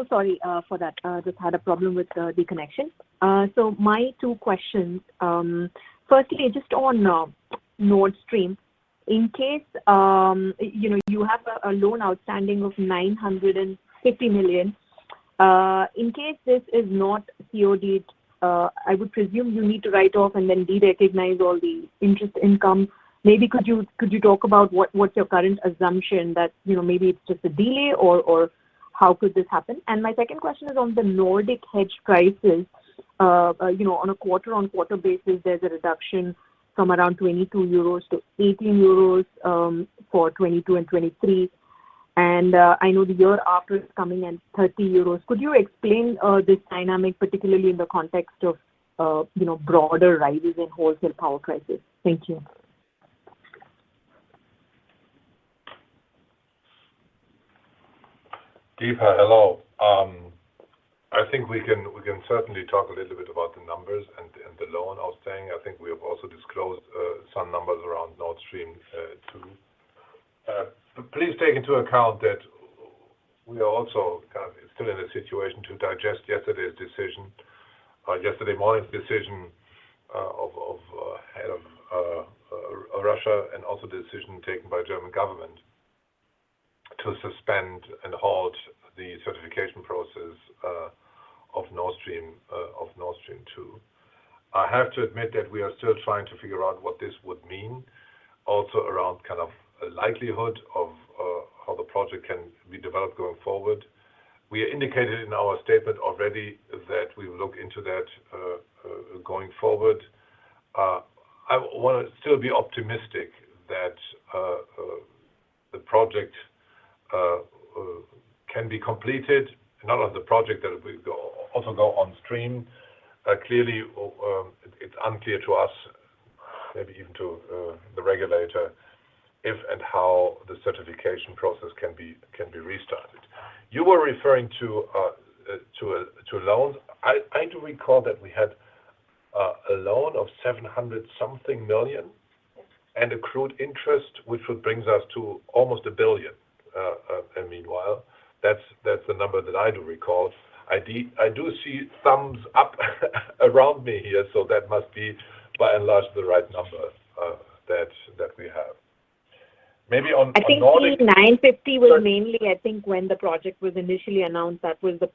Sorry for that. Just had a problem with the connection. My two questions, firstly, just on Nord Stream. In case, you know, you have a loan outstanding of 950 million. In case this is not CODed, I would presume you need to write off and then derecognize all the interest income. Maybe could you talk about what's your current assumption that, you know, maybe it's just a delay or how could this happen? My second question is on the Nordic hedge prices. You know, on a quarter-on-quarter basis, there's a reduction from around 22-18 euros for 2022 and 2023. I know the year after is coming in 30 euros. Could you explain this dynamic, particularly in the context of, you know, broader rises in wholesale power prices? Thank you. Deepa, hello. I think we can certainly talk a little bit about the numbers and the loan outstanding. I think we have also disclosed some numbers around Nord Stream 2. Please take into account that we are also kind of still in a situation to digest yesterday's decision, yesterday morning's decision, of head of Russia and also the decision taken by German government to suspend and halt the certification process, of Nord Stream 2. I have to admit that we are still trying to figure out what this would mean also around kind of a likelihood of how the project can be developed going forward. We indicated in our statement already that we will look into that, going forward. I want to still be optimistic that the project can be completed and not only the project also go on stream. Clearly, it's unclear to us, maybe even to the regulator, if and how the certification process can be restarted. You were referring to a loan. I do recall that we had a loan of 700-something million and accrued interest, which would brings us to almost a billion, meanwhile. That's the number that I do recall. I do see thumbs up around me here, so that must be by and large the right number that we have. Maybe on Nordic- I think the 950 was mainly. I think when the project was initially announced, that was the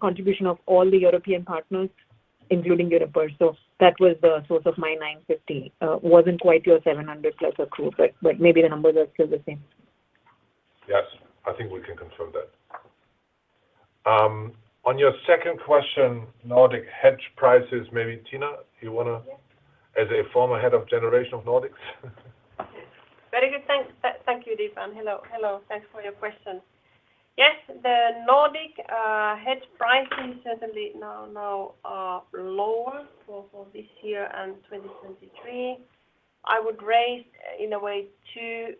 contribution of all the European partners, including Europe. That was the source of my 950. Wasn't quite your 700+ accrued, but maybe the numbers are still the same. Yes. I think we can confirm that. On your second question, Nordic hedge prices, maybe Tiina, you want to. Yes. As a former head of generation of Nordics. Yes. Very good. Thank you, Deepa, and hello. Thanks for your question. Yes, the Nordic hedge pricing certainly now are lower for this year and 2023. I would raise in a way two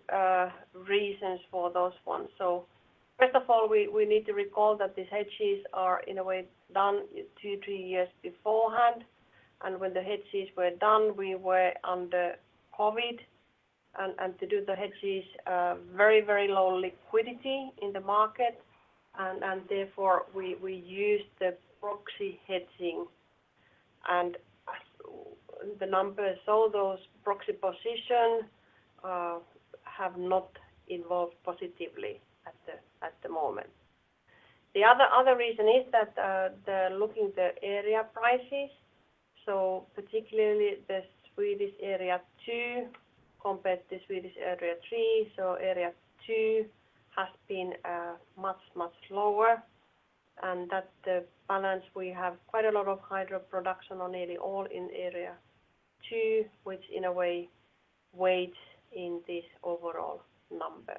reasons for those ones. First of all, we need to recall that these hedges are in a way done two-three years beforehand. When the hedges were done, we were under COVID. To do the hedges, very low liquidity in the market. Therefore, we used the proxy hedging. The numbers, so those proxy positions have not evolved positively at the moment. The other reason is that looking at the area prices, so particularly the Swedish area two compared to Swedish area three. Area two has been much lower. That's the balance. We have quite a lot of hydro production in nearly all in area two, which in a way weighs in this overall number.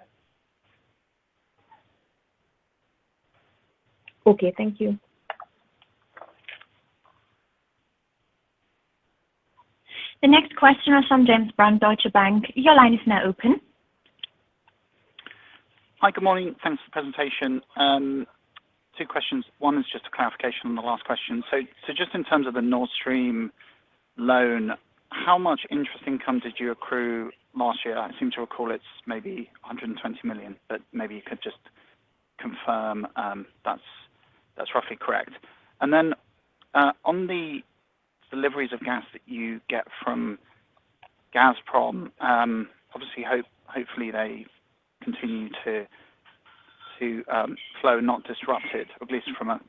Okay, thank you. The next question is from James Brand, Deutsche Bank. Your line is now open. Hi. Good morning. Thanks for the presentation. Two questions. One is just a clarification on the last question. Just in terms of the Nord Stream loan, how much interest income did you accrue last year? I seem to recall it's maybe 120 million, but maybe you could just confirm that's roughly correct. On the deliveries of gas that you get from Gazprom, obviously, hopefully they continue to flow, not disrupt it, at least from a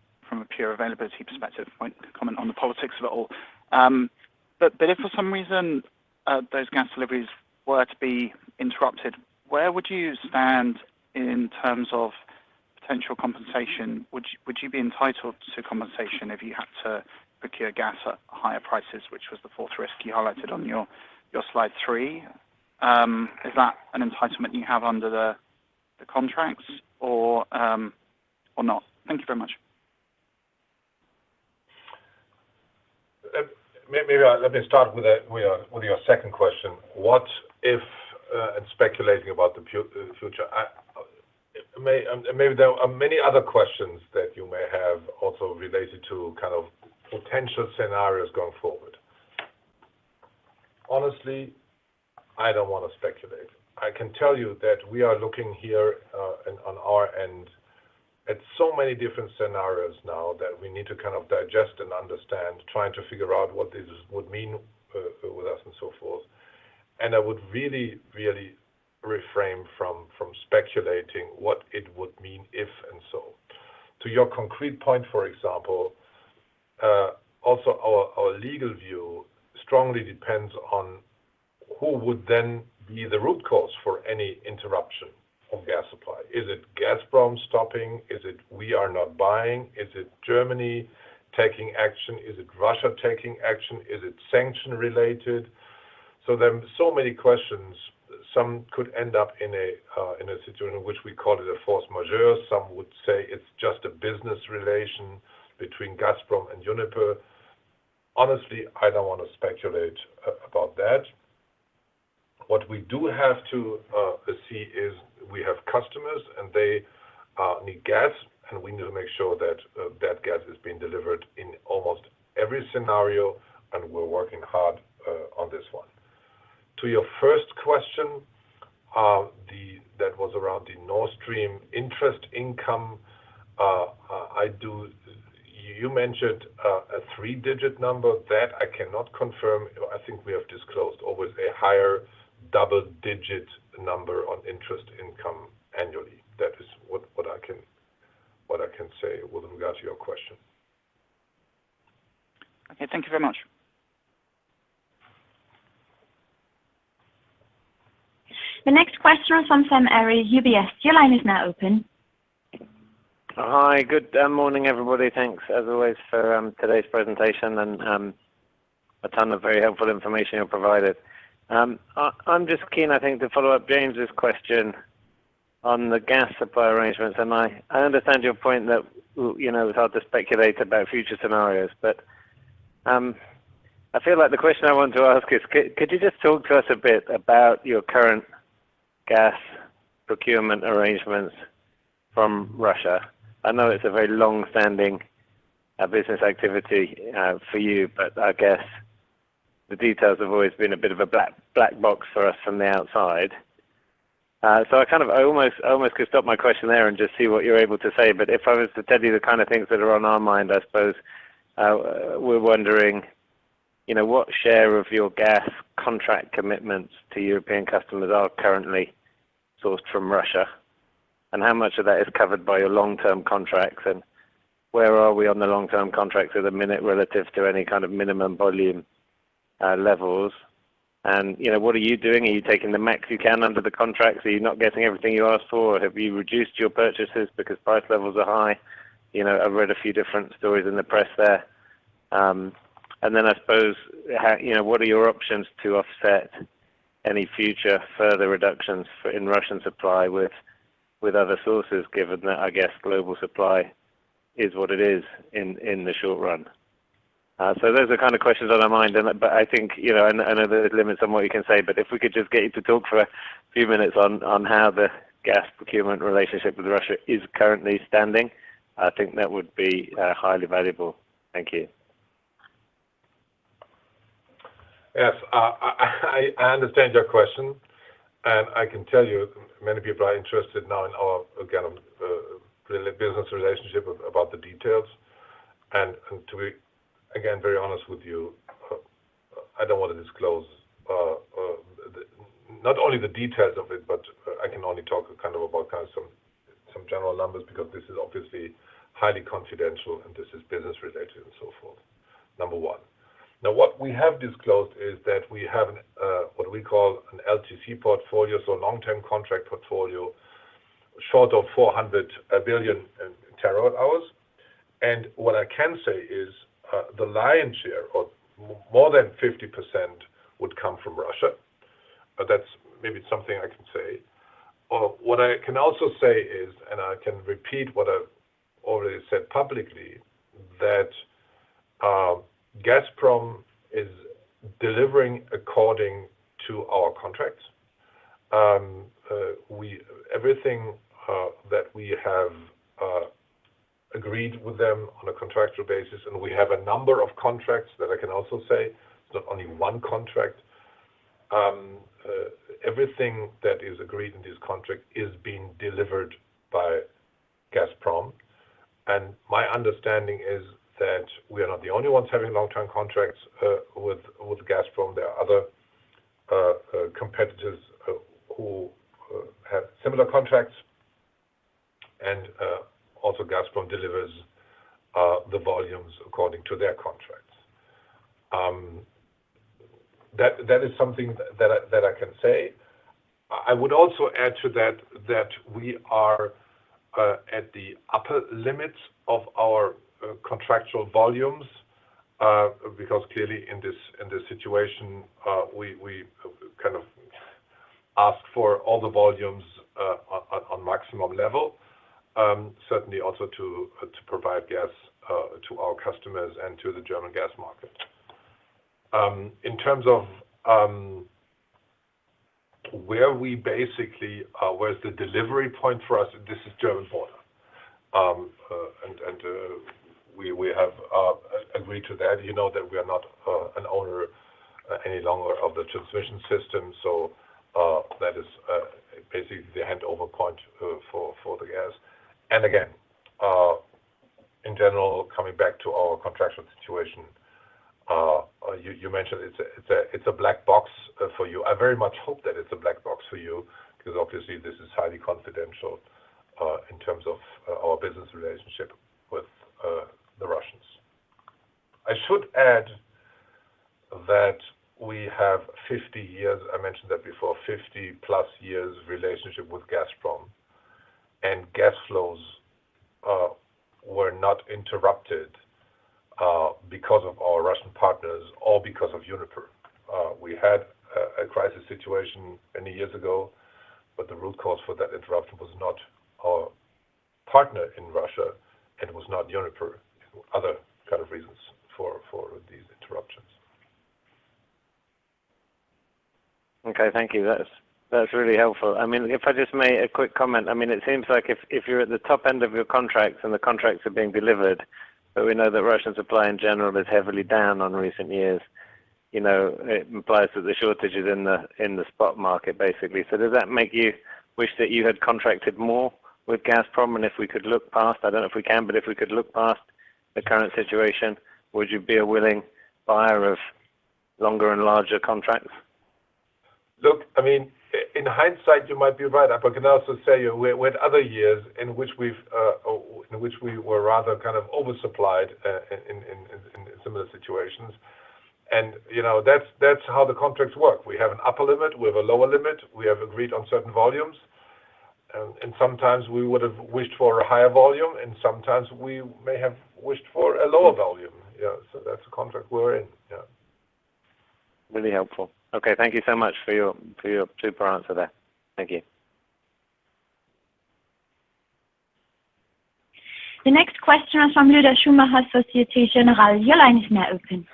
pure availability perspective. I won't comment on the politics of it all. If for some reason those gas deliveries were to be interrupted, where would you stand in terms of potential compensation? Would you be entitled to compensation if you had to procure gas at higherprices, which was the fourth risk you highlighted on your slide three? Is that an entitlement you have under the contracts or not? Thank you very much. Let me start with your second question. What if and speculating about the future. Maybe there are many other questions that you may have also related to kind of potential scenarios going forward. Honestly, I don't want to speculate. I can tell you that we are looking here on our end at so many different scenarios now that we need to kind of digest and understand, trying to figure out what this would mean with us and so forth. I would really refrain from speculating what it would mean if and so. To your concrete point, for example, also our legal view strongly depends on who would then be the root cause for any interruption of gas supply. Is it Gazprom stopping? Is it we are not buying? Is it Germany taking action? Is it Russia taking action? Is it sanction related? There are so many questions. Some could end up in a situation in which we call it a force majeure. Some would say it's just a business relation between Gazprom and Uniper. Honestly, I don't want to speculate about that. What we do have to see is we have customers and they need gas, and we need to make sure that gas is being delivered in almost every scenario, and we're working hard on this one. To your first question, that was around the Nord Stream interest income. You mentioned a three-digit number. That I cannot confirm. I think we have disclosed always a higher double-digit number on interest income annually. That is what I can say with regards to your question. Okay. Thank you very much. The next question is from Sam Arie, UBS. Your line is now open. Hi. Good morning, everybody. Thanks as always for today's presentation and a ton of very helpful information you provided. I'm just keen, I think, to follow up James's question on the gas supply arrangements. I understand your point that you know, it's hard to speculate about future scenarios. I feel like the question I want to ask is could you just talk to us a bit about your current gas procurement arrangements from Russia? I know it's a very long-standing business activity for you, but I guess the details have always been a bit of a black box for us from the outside. So I kind of I almost could stop my question there and just see what you're able to say. If I was to tell you the kinda things that are on our mind, I suppose, we're wondering, you know, what share of your gas contract commitments to European customers are currently sourced from Russia, and how much of that is covered by your long-term contracts, and where are we on the long-term contracts at the minute relative to any kind of minimum volume levels? You know, what are you doing? Are you taking the max you can under the contract? Are you not getting everything you asked for, or have you reduced your purchases because price levels are high? You know, I've read a few different stories in the press there. I suppose, you know, what are your options to offset any future further reductions in Russian supply with other sources given that, I guess, global supply is what it is in the short run? Those are the kind of questions on our mind. But I think, you know, and I know there's limits on what you can say, but if we could just get you to talk for a few minutes on how the gas procurement relationship with Russia is currently standing, I think that would be highly valuable. Thank you. Yes. I understand your question, and I can tell you many people are interested now in our, again, the business relationship about the details. To be, again, very honest with you, I don't want to disclose the. Not only the details of it, but I can only talk kind of about kind of some general numbers because this is obviously highly confidential and this is business related and so forth, number one. Now, what we have disclosed is that we have what we call an LTC portfolio, so long-term contract portfolio, sort of 400 billion terawatt-hours. What I can say is the lion's share or more than 50% would come from Russia. But that's all I can say. What I can also say is, I can repeat what I've already said publicly, that Gazprom is delivering according to our contracts. Everything that we have agreed with them on a contractual basis, and we have a number of contracts that I can also say, not only one contract. Everything that is agreed in this contract is being delivered by Gazprom. My understanding is that we are not the only ones having long-term contracts with Gazprom. There are other competitors who have similar contracts, and also Gazprom delivers the volumes according to their contracts. That is something that I can say. I would also add to that we are at the upper limits of our contractual volumes because clearly in this situation we kind of ask for all the volumes on maximum level, certainly also to provide gas to our customers and to the German gas market. In terms of where the delivery point for us is, this is German border. We have agreed to that. You know that we are not an owner any longer of the transmission system. That is basically the handover point for the gas. Again in general coming back to our contractual situation you mentioned it's a black box for you. I very much hope that it's a black box for you, 'cause obviously this is highly confidential in terms of our business relationship with the Russians. I should add that we have 50 years, I mentioned that before, 50-plus years relationship with Gazprom, and gas flows were not interrupted because of our Russian partners or because of Uniper. We had a crisis situation many years ago, but the root cause for that interruption was not our partner in Russia, and it was not Uniper. Other kind of reasons for these interruptions. Okay. Thank you. That's really helpful. I mean, if I just may, a quick comment. I mean, it seems like if you're at the top end of your contracts and the contracts are being delivered, but we know that Russian supply in general is heavily down in recent years, you know, it implies that the shortage is in the spot market, basically. Does that make you wish that you had contracted more with Gazprom? And if we could look past, I don't know if we can, but if we could look past the current situation, would you be a willing buyer of longer and larger contracts? Look, I mean, in hindsight, you might be right. But I can also say we had other years in which we were rather kind of oversupplied in similar situations. You know, that's how the contracts work. We have an upper limit. We have a lower limit. We have agreed on certain volumes. Sometimes we would have wished for a higher volume, and sometimes we may have wished for a lower volume. Yeah. That's the contract we're in. Yeah. Really helpful. Okay. Thank you so much for your super answer there. Thank you. The next question is from Lüder Schumacher, Société Générale. Your line is now open.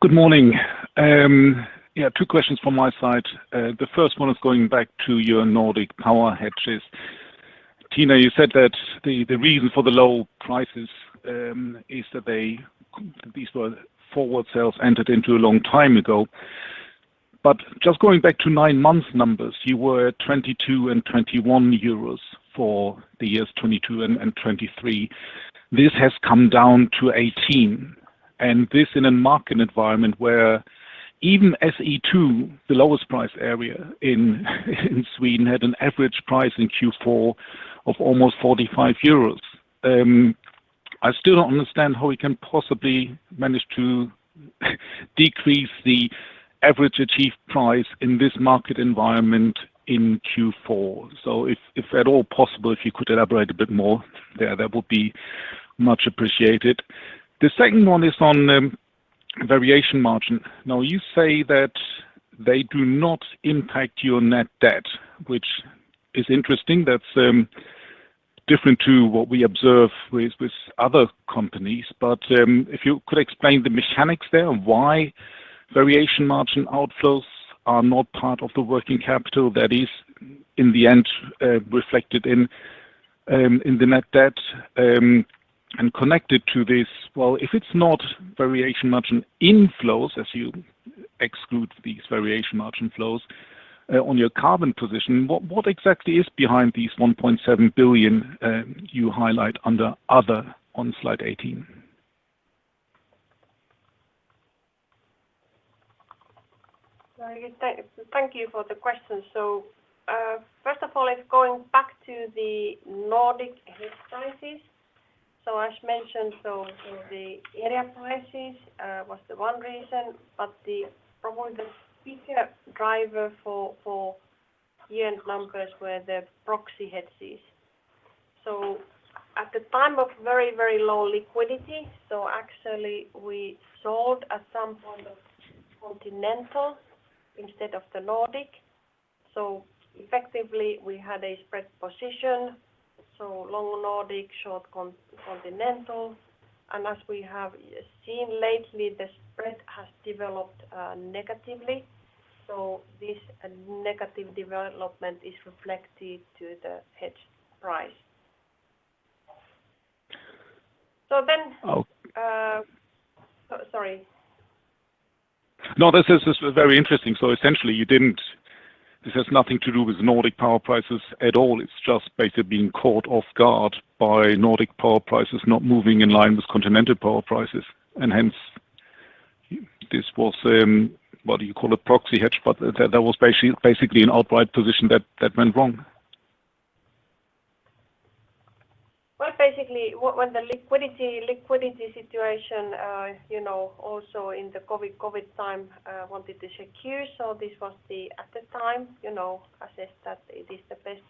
Good morning. Yeah, two questions from my side. The first one is going back to your Nordic power hedges. Tiina, you said that the reason for the low prices is that they, these were forward sales entered into a long time ago. Just going back to nine-month numbers, you were at 22 and 21 euros for the years 2022 and 2023. This has come down to 18, and this in a market environment where even SE2, the lowest price area in Sweden, had an average price in Q4 of almost 45 euros. I still don't understand how we can possibly manage to decrease the average achieved price in this market environment in Q4. If at all possible, if you could elaborate a bit more there, that would be much appreciated. The second one is on variation margin. Now, you say that they do not impact your net debt, which is interesting. That's different to what we observe with other companies. If you could explain the mechanics there, why variation margin outflows are not part of the working capital that is in the end reflected in the net debt. Connected to this, if it's not variation margin inflows, as you exclude these variation margin flows on your carbon position, what exactly is behind these 1.7 billion you highlight under other on slide 18? Thank you for the question. First of all, it's going back to the Nordic hedge prices. As mentioned, the area prices was the one reason, but probably the bigger driver for year-end numbers were the proxy hedges. At the time of very, very low liquidity, actually we sold at some point continental instead of the Nordic. Effectively, we had a spread position, long Nordic, short continental. As we have seen lately, the spread has developed negatively. This negative development is reflected to the hedge price. Then- Oh. Sorry. No, this is very interesting. This has nothing to do with Nordic power prices at all. It's just basically being caught off guard by Nordic power prices not moving in line with continental power prices. Hence, this was what do you call a proxy hedge, but that was basically an outright position that went wrong. Well, basically when the liquidity situation, you know, also in the COVID time, we wanted to secure. This was, at the time, you know, assessed that it is the best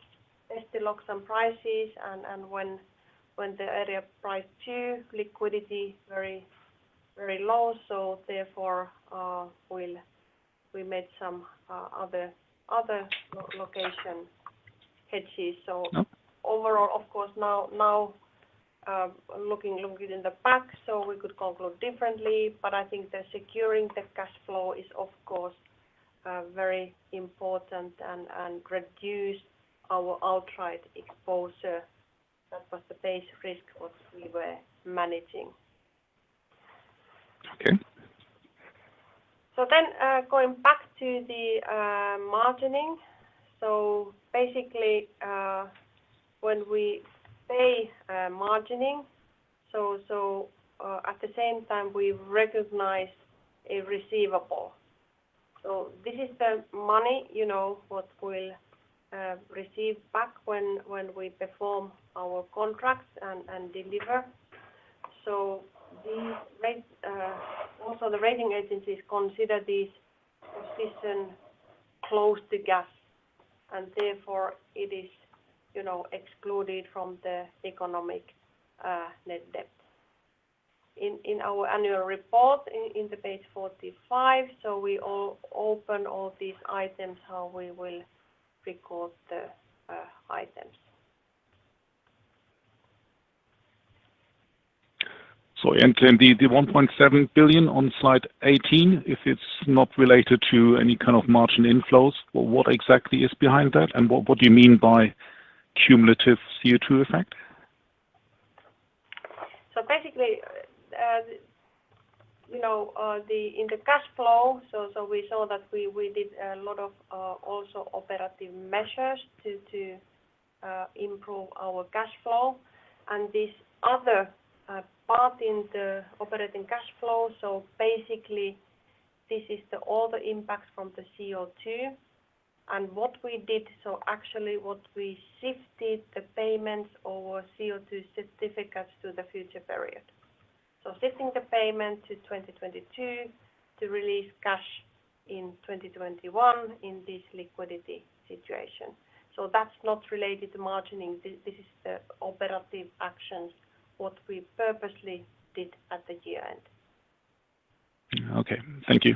to lock some prices and, when the area price, too, liquidity very low. Therefore, we made some other location hedges. Overall, of course, now looking back, we could conclude differently, but I think securing the cash flow is of course very important and reduce our outright exposure. That was the basis risk that we were managing. Okay. Going back to the margining. Basically, when we pay margining, at the same time, we recognize a receivable. This is the money, you know, what we'll receive back when we perform our contracts and deliver. These rates also the rating agencies consider this position close to cash, and therefore it is, you know, excluded from the economic net debt. In our annual report on page 45, we explain all these items, how we will record the items. The 1.7 billion on slide 18, if it's not related to any kind of margin inflows, what exactly is behind that? What do you mean by cumulative CO2 effect? Basically, you know, in the cash flow, we saw that we did a lot of also operative measures to improve our cash flow, and this other part in the operating cash flow. Basically this is all the impacts from the CO2 and what we did. Actually what we shifted the payments over CO2 certificates to the future period. Shifting the payment to 2022 to release cash in 2021 in this liquidity situation. That's not related to margining. This is the operative actions, what we purposely did at the year-end. Okay. Thank you.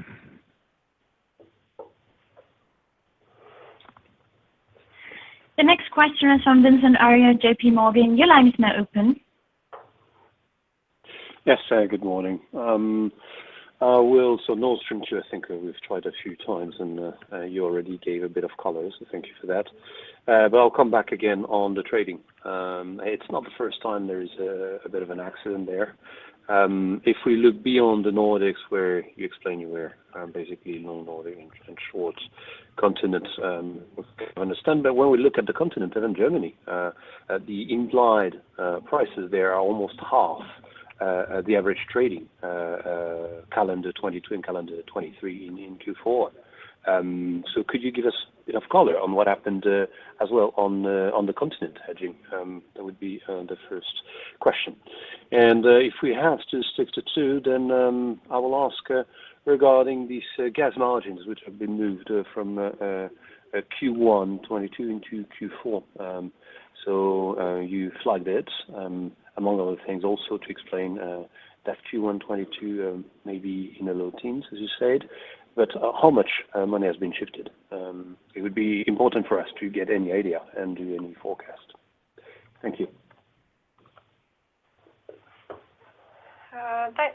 The next question is from Vincent Ayral, JPMorgan. Your line is now open. Yes. Good morning. Nord Stream 2, I think we've tried a few times and you already gave a bit of color, so thank you for that. I'll come back again on the trading. It's not the first time there is a bit of an accident there. If we look beyond the Nordics where you explain you were basically long Nordic and short continent, understand. When we look at the continent and in Germany, the implied prices there are almost half the average trading calendar 2022 and calendar 2023 in Q4. Could you give us a bit of color on what happened as well on the continent hedging? That would be the first question. If we have to stick to two then, I will ask regarding these gas margins which have been moved from Q1 2022 into Q4. You flagged it among other things also to explain that Q1 2022 may be in the low teens, as you said, but how much money has been shifted? It would be important for us to get any idea and do any forecast. Thank you.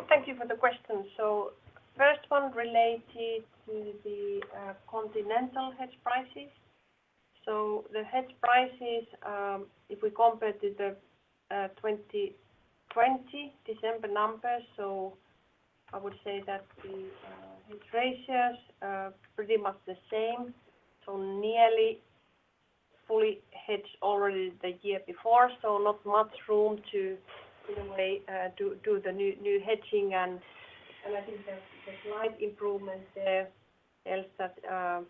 Thank you for the question. First one related to the continental hedge prices. The hedge prices, if we compare to the 2020 December numbers, I would say that the hedge ratios are pretty much the same. Nearly fully hedged already the year before. Not much room to, in a way, do the new hedging. I think the slight improvement there tells that we are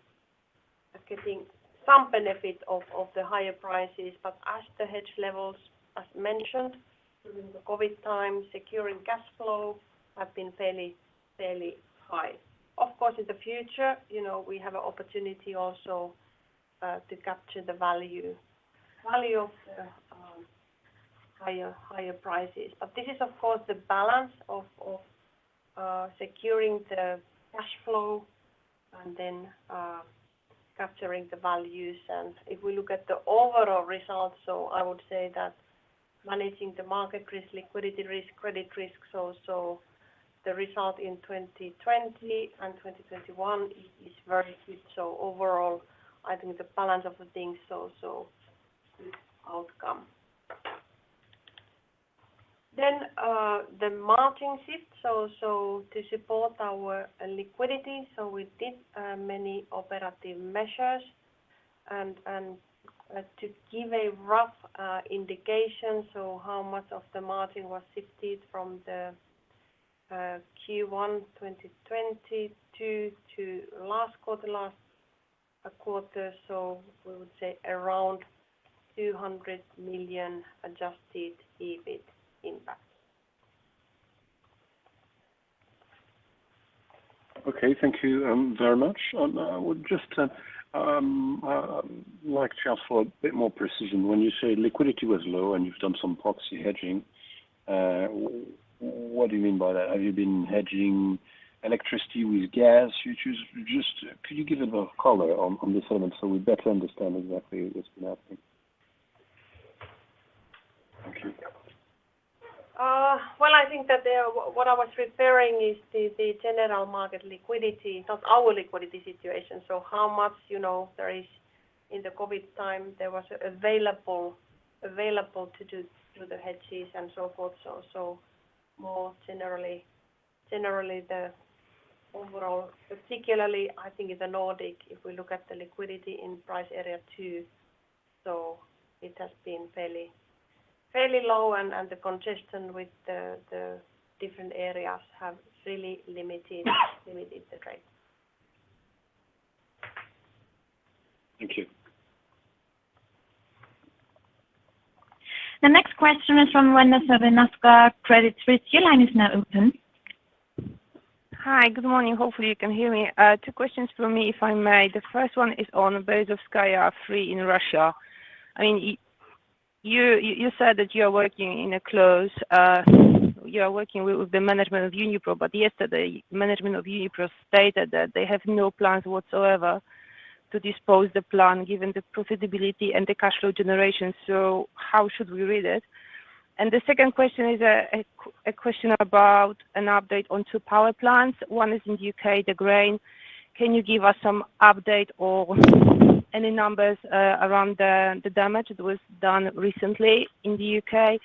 getting some benefit of the higher prices, but as the hedge levels. As mentioned, during the COVID time, securing cash flow has been fairly high. Of course, in the future, you know, we have an opportunity also to capture the value of the higher prices. This is of course the balance of securing the cash flow and then capturing the values. If we look at the overall results, I would say that managing the market risk, liquidity risk, credit risks also, the result in 2020 and 2021 is very good. Overall, I think the balance of the things is also good outcome. The margin shift, so to support our liquidity, we did many operative measures and to give a rough indication, how much of the margin was shifted from the Q1 2020 to last quarter. We would say around 200 million adjusted EBIT impact. Okay. Thank you very much. I would just like just for a bit more precision. When you say liquidity was low and you've done some proxy hedging, what do you mean by that? Have you been hedging electricity with gas? Just could you give a bit of color on this element so we better understand exactly what's been happening? Thank you. Well, I think what I was referring to is the general market liquidity, not our liquidity situation. How much, you know, there is. In the COVID time, there was available to do the hedges and so forth. More generally the overall. Particularly, I think in the Nordic, if we look at the liquidity in price area two. It has been fairly low, and the congestion with the different areas have really limited the trade. Thank you. The next question is from Wanda Słowikowska, Credit Suisse. Your line is now open. Hi. Good morning. Hopefully you can hear me. two questions from me, if I may. The first one is on Berezovskaya three in Russia. I mean, you said that you are working with the management of Uniper, but yesterday management of Uniper stated that they have no plans whatsoever to dispose the plant given the profitability and the cash flow generation. So how should we read it? The second question is a question about an update on two power plants. One is in U.K., the Grain. Can you give us some update or any numbers around the damage that was done recently in the U.K.?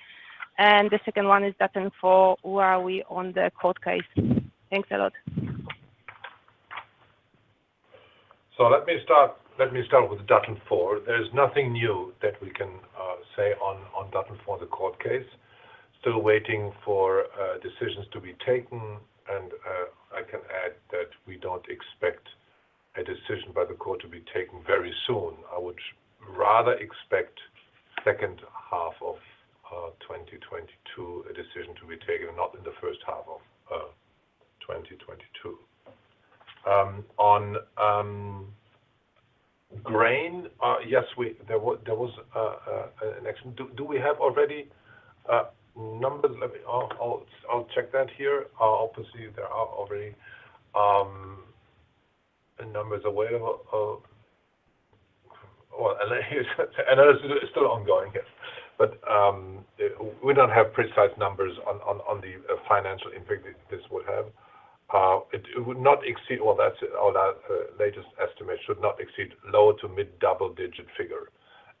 The second one is Datteln 4. Where are we on the court case? Thanks a lot. Let me start with Datteln 4. There's nothing new that we can say on Datteln 4, the court case. Still waiting for decisions to be taken and I can add that we don't expect a decision by the court to be taken very soon. I would rather expect second half of 2022 a decision to be taken, not in the first half of 2022. On Grain. Yes, there was an accident. Do we have already numbers? Let me. I'll check that here. Obviously there are already numbers available. Well, and it's still ongoing. Yes. We don't have precise numbers on the financial impact this would have. It would not exceed, or that latest estimate should not exceed low- to mid-double-digit figure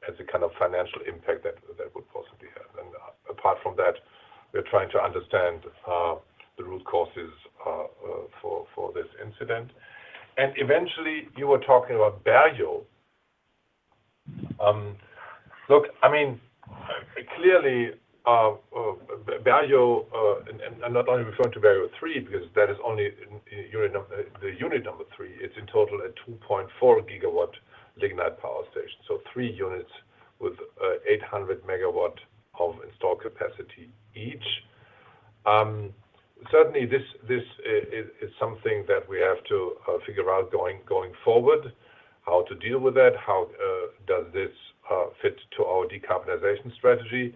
as a kind of financial impact that would possibly have. Apart from that, we are trying to understand the root causes for this incident. Eventually, you were talking about Berezovskaya. Look, I mean, clearly, Berezovskaya, and I'm not only referring to Berezovskaya 3, because that is only unit number three. It's in total a 2.4 GW lignite power station, so three units with 800 MW of installed capacity each. Certainly this is something that we have to figure out going forward, how to deal with that, how does this fit to our decarbonization strategy.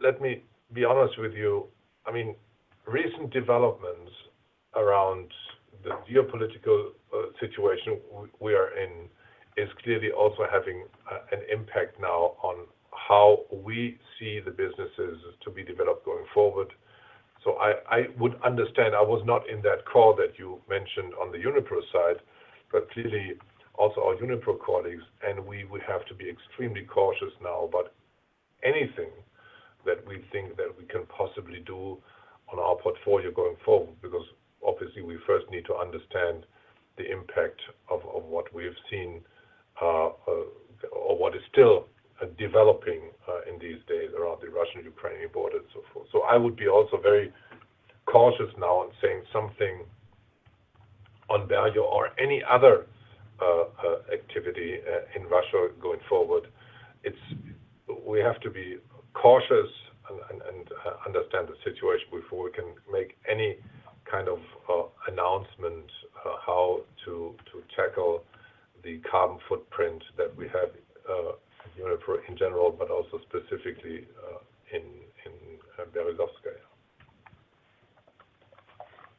Let me be honest with you. I mean, recent developments around the geopolitical situation we are in is clearly also having an impact now on how we see the businesses to be developed going forward. I would understand. I was not in that call that you mentioned on the Uniper side, but clearly also our Uniper colleagues, and we would have to be extremely cautious now about anything that we think that we can possibly do on our portfolio going forward, because obviously we first need to understand the impact of what we have seen or what is still developing in these days around the Russian-Ukrainian border and so forth. I would be also very cautious now on saying something on value or any other activity in Russia going forward. We have to be cautious and understand the situation before we can make any kind of announcement how to tackle the carbon footprint that we have, you know, in general, but also specifically in Berezovskaya.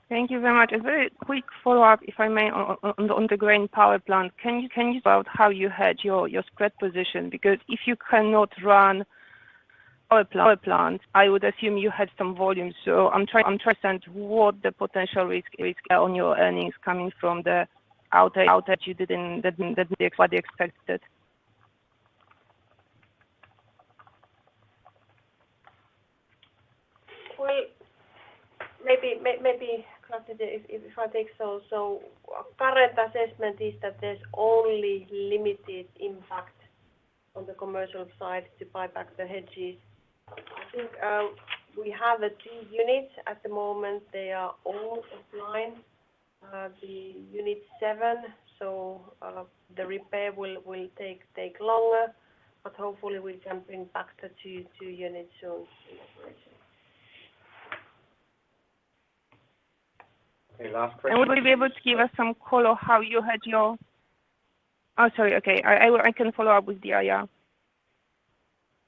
Thank you very much. A very quick follow-up, if I may, on the Heyden power plant. Can you talk about how you had your spread position? Because if you cannot run power plant, I would assume you had some volume. I'm trying to understand what the potential risk on your earnings coming from the outage that you didn't expect. Well, maybe Klaus, if that's so, current assessment is that there's only limited impact on the commercial side to buy back the hedges. I think we have the two units at the moment. They are all offline. The unit seven, so the repair will take longer, but hopefully we can bring back the 2 units soon in operation. Okay, last question. Oh, sorry. Okay. I can follow up with the IR.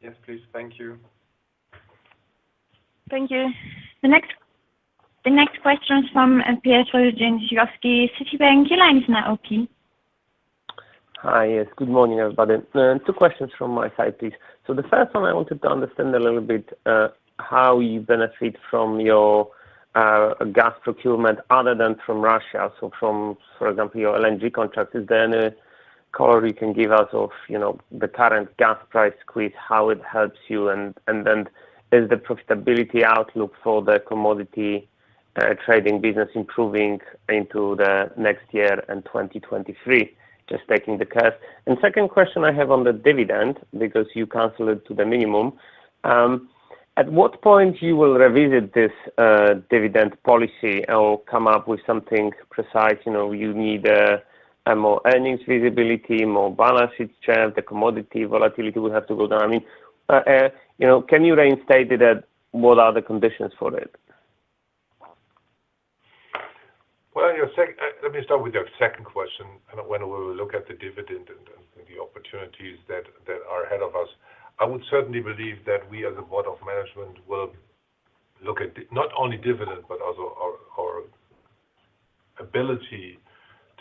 Yes, please. Thank you. Thank you. The next question is from Peter Bisztyga, Citi. Your line is now open. Hi. Yes, good morning, everybody. Two questions from my side, please. The first one, I wanted to understand a little bit, how you benefit from your gas procurement other than from Russia. From, for example, your LNG contract, is there any color you can give us of, you know, the current gas price squeeze, how it helps you, and then is the profitability outlook for the commodity trading business improving into the next year and 2023? Just taking the course. Second question I have on the dividend, because you capped it to the minimum, at what point you will revisit this dividend policy or come up with something precise? You know, you need a more earnings visibility, more balance sheet strength, the commodity volatility will have to go down. I mean, you know, can you reinstate it at what are the conditions for it? Well, let me start with your second question on when will we look at the dividend and the opportunities that are ahead of us. I would certainly believe that we, as a board of management, will look at not only dividend, but also our ability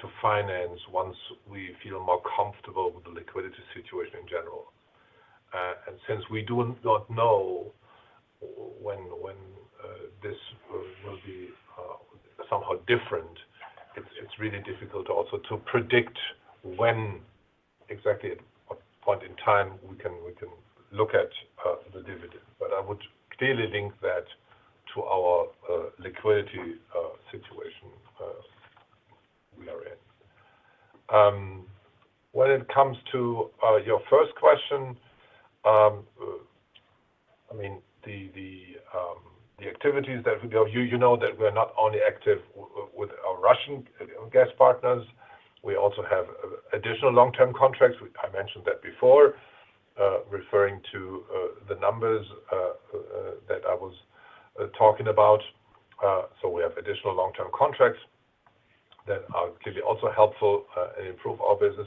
to finance once we feel more comfortable with the liquidity situation in general. Since we do not know when this will be somehow different, it's really difficult also to predict when exactly at what point in time we can look at the dividend. I would clearly link that to our liquidity situation we are in. When it comes to your first question, I mean, the activities that we have, you know that we're not only active with our Russian gas partners, we also have additional long-term contracts. I mentioned that before, referring to the numbers that I was talking about. We have additional long-term contracts that are clearly also helpful and improve our business.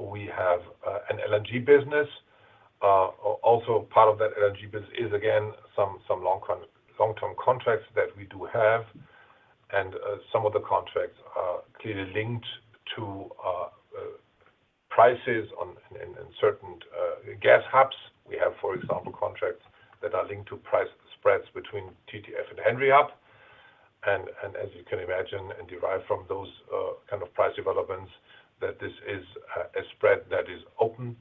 We have an LNG business. Also part of that LNG business is again some long-term contracts that we do have. Some of the contracts are clearly linked to prices in certain gas hubs. We have, for example, contracts that are linked to price spreads between TTF and Henry Hub. As you can imagine and derive from those kind of price developments, that this is a spread that is open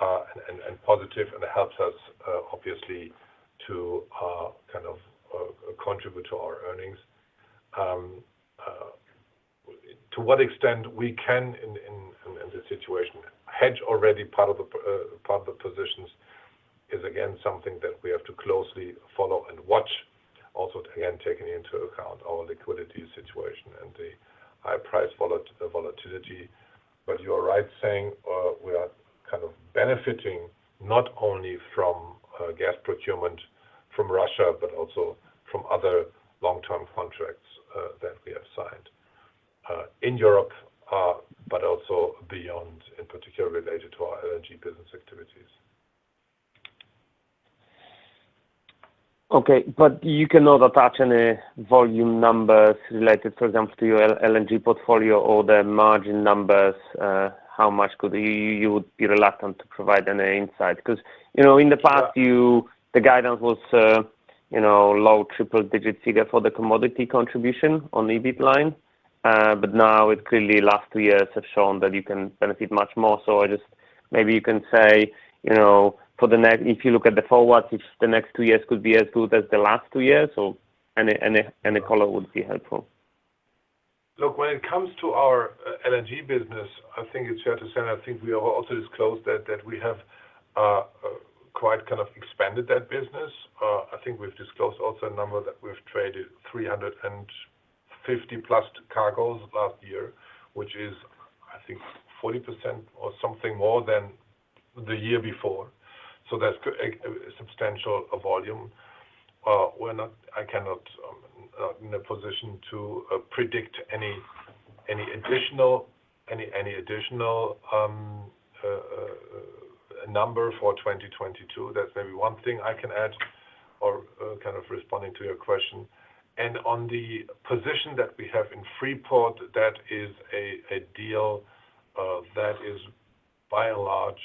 and positive. It helps us obviously to kind of contribute to our earnings. To what extent we can in this situation hedge already part of the positions is again something that we have to closely follow and watch. Also again, taking into account our liquidity situation and the high price volatility. You are right saying we are kind of benefiting not only from gas procurement from Russia, but also from other long-term contracts that we have signed in Europe but also beyond, in particular related to our LNG business activities. Okay, you cannot attach any volume numbers related, for example, to your LNG portfolio or the margin numbers. How reluctant would you be to provide any insight? 'Cause, you know, in the past you- Sure. The guidance was, you know, low triple-digit figure for the commodity contribution on EBIT line. But now clearly the last two years have shown that you can benefit much more. Maybe you can say, you know, if you look at the forward, if the next two years could be as good as the last two years or any color would be helpful. Look, when it comes to our LNG business, I think it's fair to say, and I think we have also disclosed that we have quite kind of expanded that business. I think we've disclosed also a number that we've traded 350+ cargos last year, which is, I think 40% or something more than the year before. So that's a substantial volume. We're not in a position to predict any additional number for 2022. That's maybe one thing I can add or kind of responding to your question. On the position that we have in Freeport, that is a deal that is by and large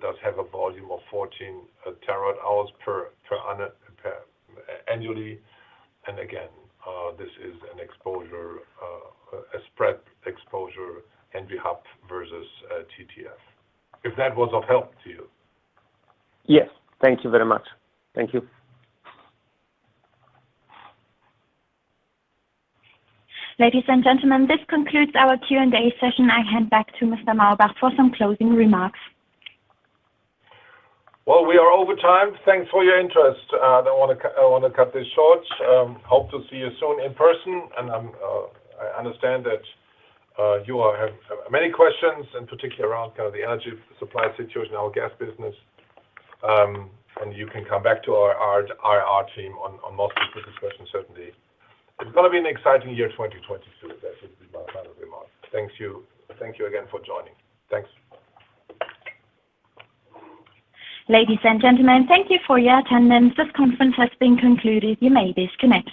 does have a volume of 14 TWh annually. Again, this is an exposure, a spread exposure Henry Hub versus TTF, if that was of help to you. Yes. Thank you very much. Thank you. Ladies and gentlemen, this concludes our Q&A session. I hand back to Mr. Maubach for some closing remarks. Well, we are over time. Thanks for your interest. I want to cut this short. Hope to see you soon in person. I understand that you all have many questions, and particularly around kind of the energy supply situation in our gas business. You can come back to our IR team on most of these questions certainly. It's going to be an exciting year, 2022. That should be my final remark. Thank you. Thank you again for joining. Thanks. Ladies and gentlemen, thank you for your attendance. This conference has been concluded. You may disconnect.